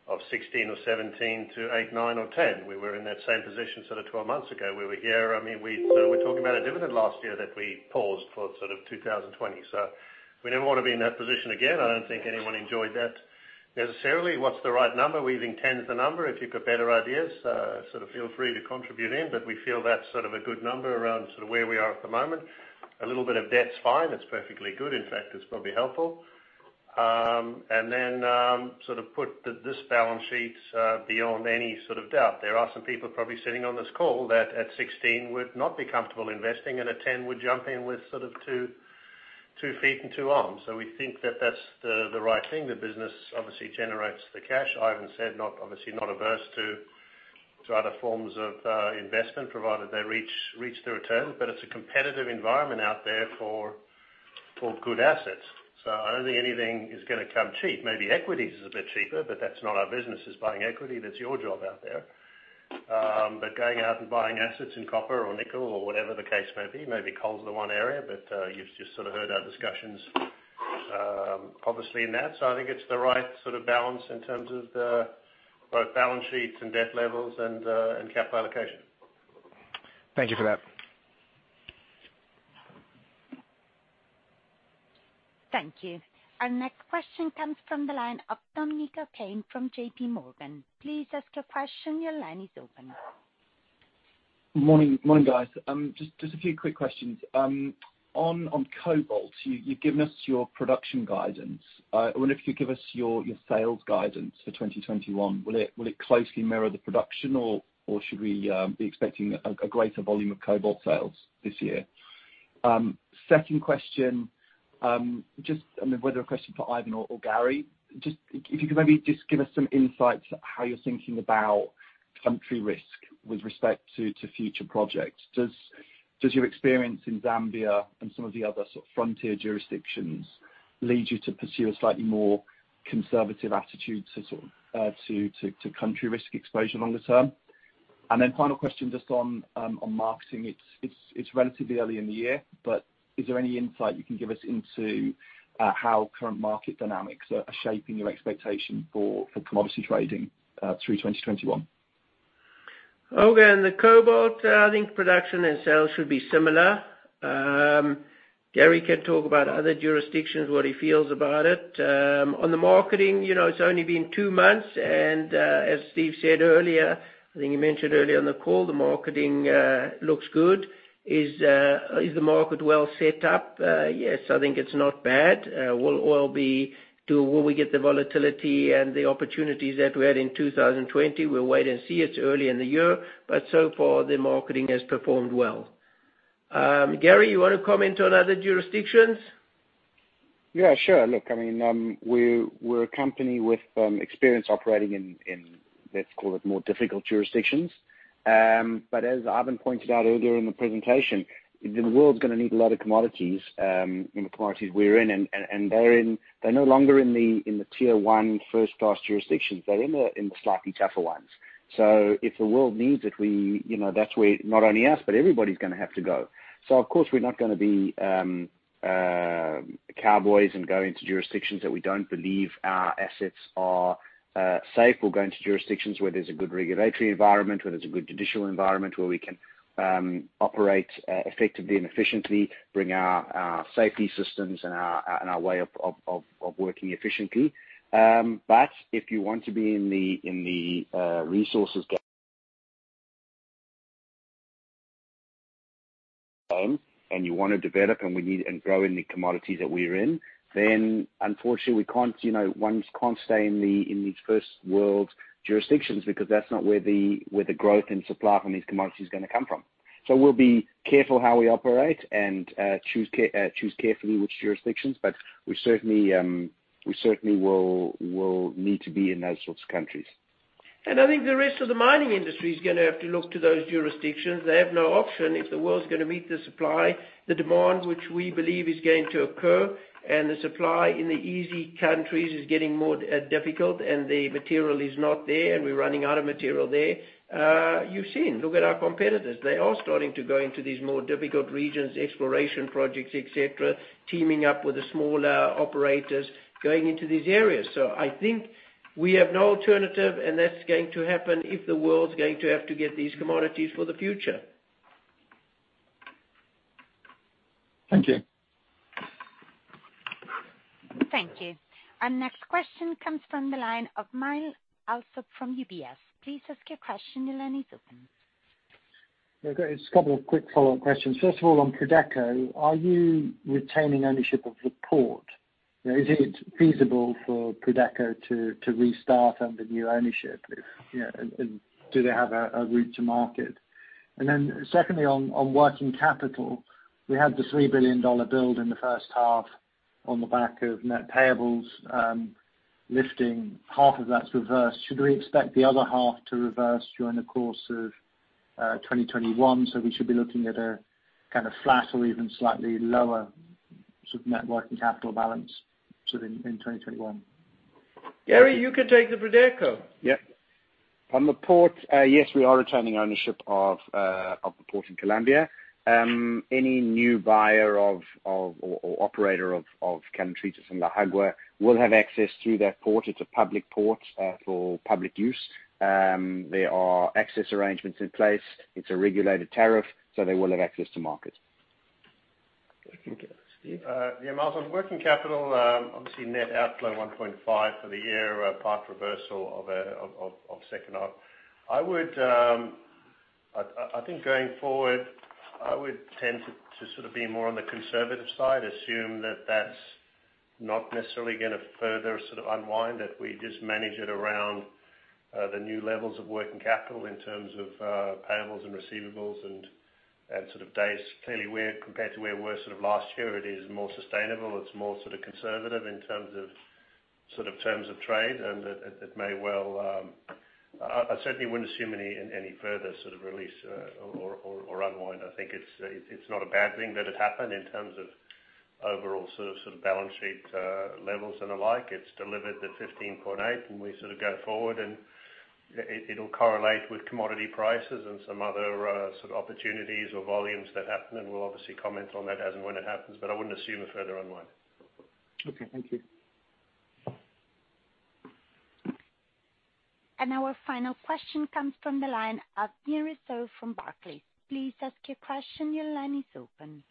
of 16 or 17 to eight, nine or 10. We were in that same position sort of 12 months ago. We were here, we were talking about a dividend last year that we paused for 2020. We never want to be in that position again. I don't think anyone enjoyed that necessarily. What's the right number? We think 10's the number. If you've got better ideas, feel free to contribute in. We feel that's sort of a good number around where we are at the moment. A little bit of debt's fine. It's perfectly good. In fact, it's probably helpful. Sort of put this balance sheet beyond any sort of doubt. There are some people probably sitting on this call that at 16 would not be comfortable investing, and at 10 would jump in with two feet and two arms. We think that that's the right thing. The business obviously generates the cash. Ivan said, obviously not averse to other forms of investment provided they reach the return. It's a competitive environment out there for good assets. I don't think anything is going to come cheap. Maybe equities is a bit cheaper. That's not our business, is buying equity. That's your job out there. Going out and buying assets in copper or nickel or whatever the case may be, maybe coal's the one area, but you've just heard our discussions obviously in that. I think it's the right sort of balance in terms of both balance sheets and debt levels and cap allocation. Thank you for that. Thank you. Our next question comes from the line of Dominic O'Kane from JPMorgan. Please ask your question. Your line is open. Morning, guys. Just a few quick questions. On cobalt, you've given us your production guidance. I wonder if you could give us your sales guidance for 2021. Will it closely mirror the production, or should we be expecting a greater volume of cobalt sales this year? Second question, just whether a question for Ivan or Gary, if you could maybe just give us some insights how you're thinking about country risk with respect to future projects. Does your experience in Zambia and some of the other sort of frontier jurisdictions lead you to pursue a slightly more conservative attitude to country risk exposure longer term? Final question, just on marketing. It's relatively early in the year, but is there any insight you can give us into how current market dynamics are shaping your expectation for commodity trading through 2021? Okay. In the cobalt, I think production and sales should be similar. Gary can talk about other jurisdictions, what he feels about it. On the marketing, it's only been two months, and as Steve said earlier, I think he mentioned earlier on the call, the marketing looks good. Is the market well set up? Yes. I think it's not bad. Will we get the volatility and the opportunities that we had in 2020? We'll wait and see. It's early in the year, but so far the marketing has performed well. Gary, you want to comment on other jurisdictions? Yeah, sure. Look, we're a company with experience operating in, let's call it more difficult jurisdictions. As Ivan pointed out earlier in the presentation, the world's going to need a lot of commodities, and the commodities we're in. They're no longer in the tier one first class jurisdictions. They're in the slightly tougher ones. If the world needs it, that's where not only us, but everybody's going to have to go. Of course, we're not going to be cowboys and go into jurisdictions that we don't believe our assets are safe or go into jurisdictions where there's a good regulatory environment, where there's a good judicial environment, where we can operate effectively and efficiently, bring our safety systems and our way of working efficiently. If you want to be in the resources. You want to develop and grow in the commodities that we're in, then unfortunately, one can't stay in these first world jurisdictions because that's not where the growth and supply from these commodities is going to come from. We'll be careful how we operate and choose carefully which jurisdictions, but we certainly will need to be in those sorts of countries. I think the rest of the mining industry is going to have to look to those jurisdictions. They have no option if the world's going to meet the supply, the demand which we believe is going to occur, and the supply in the easy countries is getting more difficult and the material is not there, and we're running out of material there. You've seen. Look at our competitors. They are starting to go into these more difficult regions, exploration projects, et cetera, teaming up with the smaller operators, going into these areas. I think we have no alternative, and that's going to happen if the world's going to have to get these commodities for the future. Thank you. Thank you. Our next question comes from the line of Myles Allsop from UBS. Please ask your question. Your line is open. Just a couple of quick follow-up questions. On Prodeco, are you retaining ownership of the port? Is it feasible for Prodeco to restart under new ownership? Do they have a route to market? Secondly, on working capital, we had the $3 billion build in H1 on the back of net payables lifting. Half of that's reversed. Should we expect the other half to reverse during the course of 2021, we should be looking at a kind of flat or even slightly lower sort of net working capital balance, sort of in 2021? Gary, you can take the Prodeco. Yep. On the port, yes, we are retaining ownership of the port in Colombia. Any new buyer or operator of Cerrejón La Jagua will have access through that port. It is a public port for public use. There are access arrangements in place. It is a regulated tariff, so they will have access to market. Okay. Steve? Yeah, Myles, on working capital, obviously net outflow $1.5 for the year, part reversal of H2. I think going forward, I would tend to sort of be more on the conservative side, assume that that's not necessarily going to further sort of unwind, that we just manage it around the new levels of working capital in terms of payables and receivables and sort of days. Clearly compared to where we were sort of last year, it is more sustainable. It's more sort of conservative in terms of trade. I certainly wouldn't assume any further sort of release or unwind. I think it's not a bad thing that it happened in terms of overall sort of balance sheet levels and the like. It's delivered the 15.8, and we sort of go forward and it'll correlate with commodity prices and some other sort of opportunities or volumes that happen, and we'll obviously comment on that as and when it happens, but I wouldn't assume a further unwind. Okay, thank you. Our final question comes from the line of Ian Rossouw from Barclays. Please ask your question. Your line is open.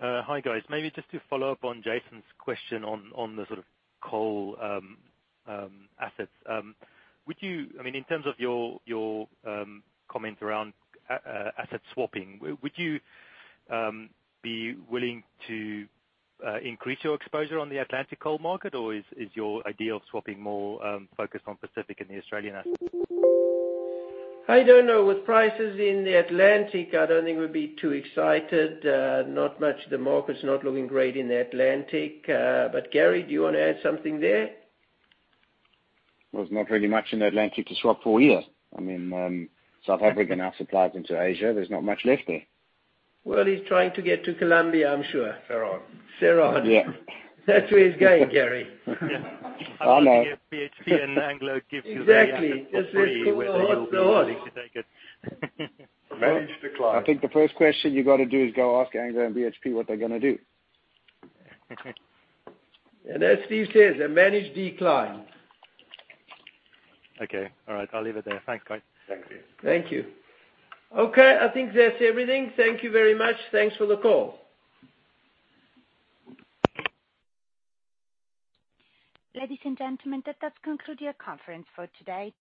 Hi, guys. Maybe just to follow up on Jason's question on the sort of coal assets. In terms of your comment around asset swapping, would you be willing to increase your exposure on the Atlantic coal market, or is your idea of swapping more focused on Pacific and the Australian assets? I don't know. With prices in the Atlantic, I don't think we'd be too excited. Not much. The market's not looking great in the Atlantic. Gary, do you want to add something there? Well, there's not really much in the Atlantic to swap for here. South Africa now supplies into Asia. There's not much left there. Well, he's trying to get to Colombia, I'm sure. Cerrejón. Cerrejón. Yeah. That's where he's going, Gary. I know. If BHP and Anglo. Exactly. the asset for free. Yes, yes. Go on Whether you'll be willing to take it. A managed decline. I think the first question you got to do is go ask Anglo and BHP what they're gonna do. As Steve says, a managed decline. Okay. All right, I'll leave it there. Thanks. Bye. Thank you. Thank you. Okay, I think that's everything. Thank you very much. Thanks for the call. Ladies and gentlemen, that does conclude your conference for today.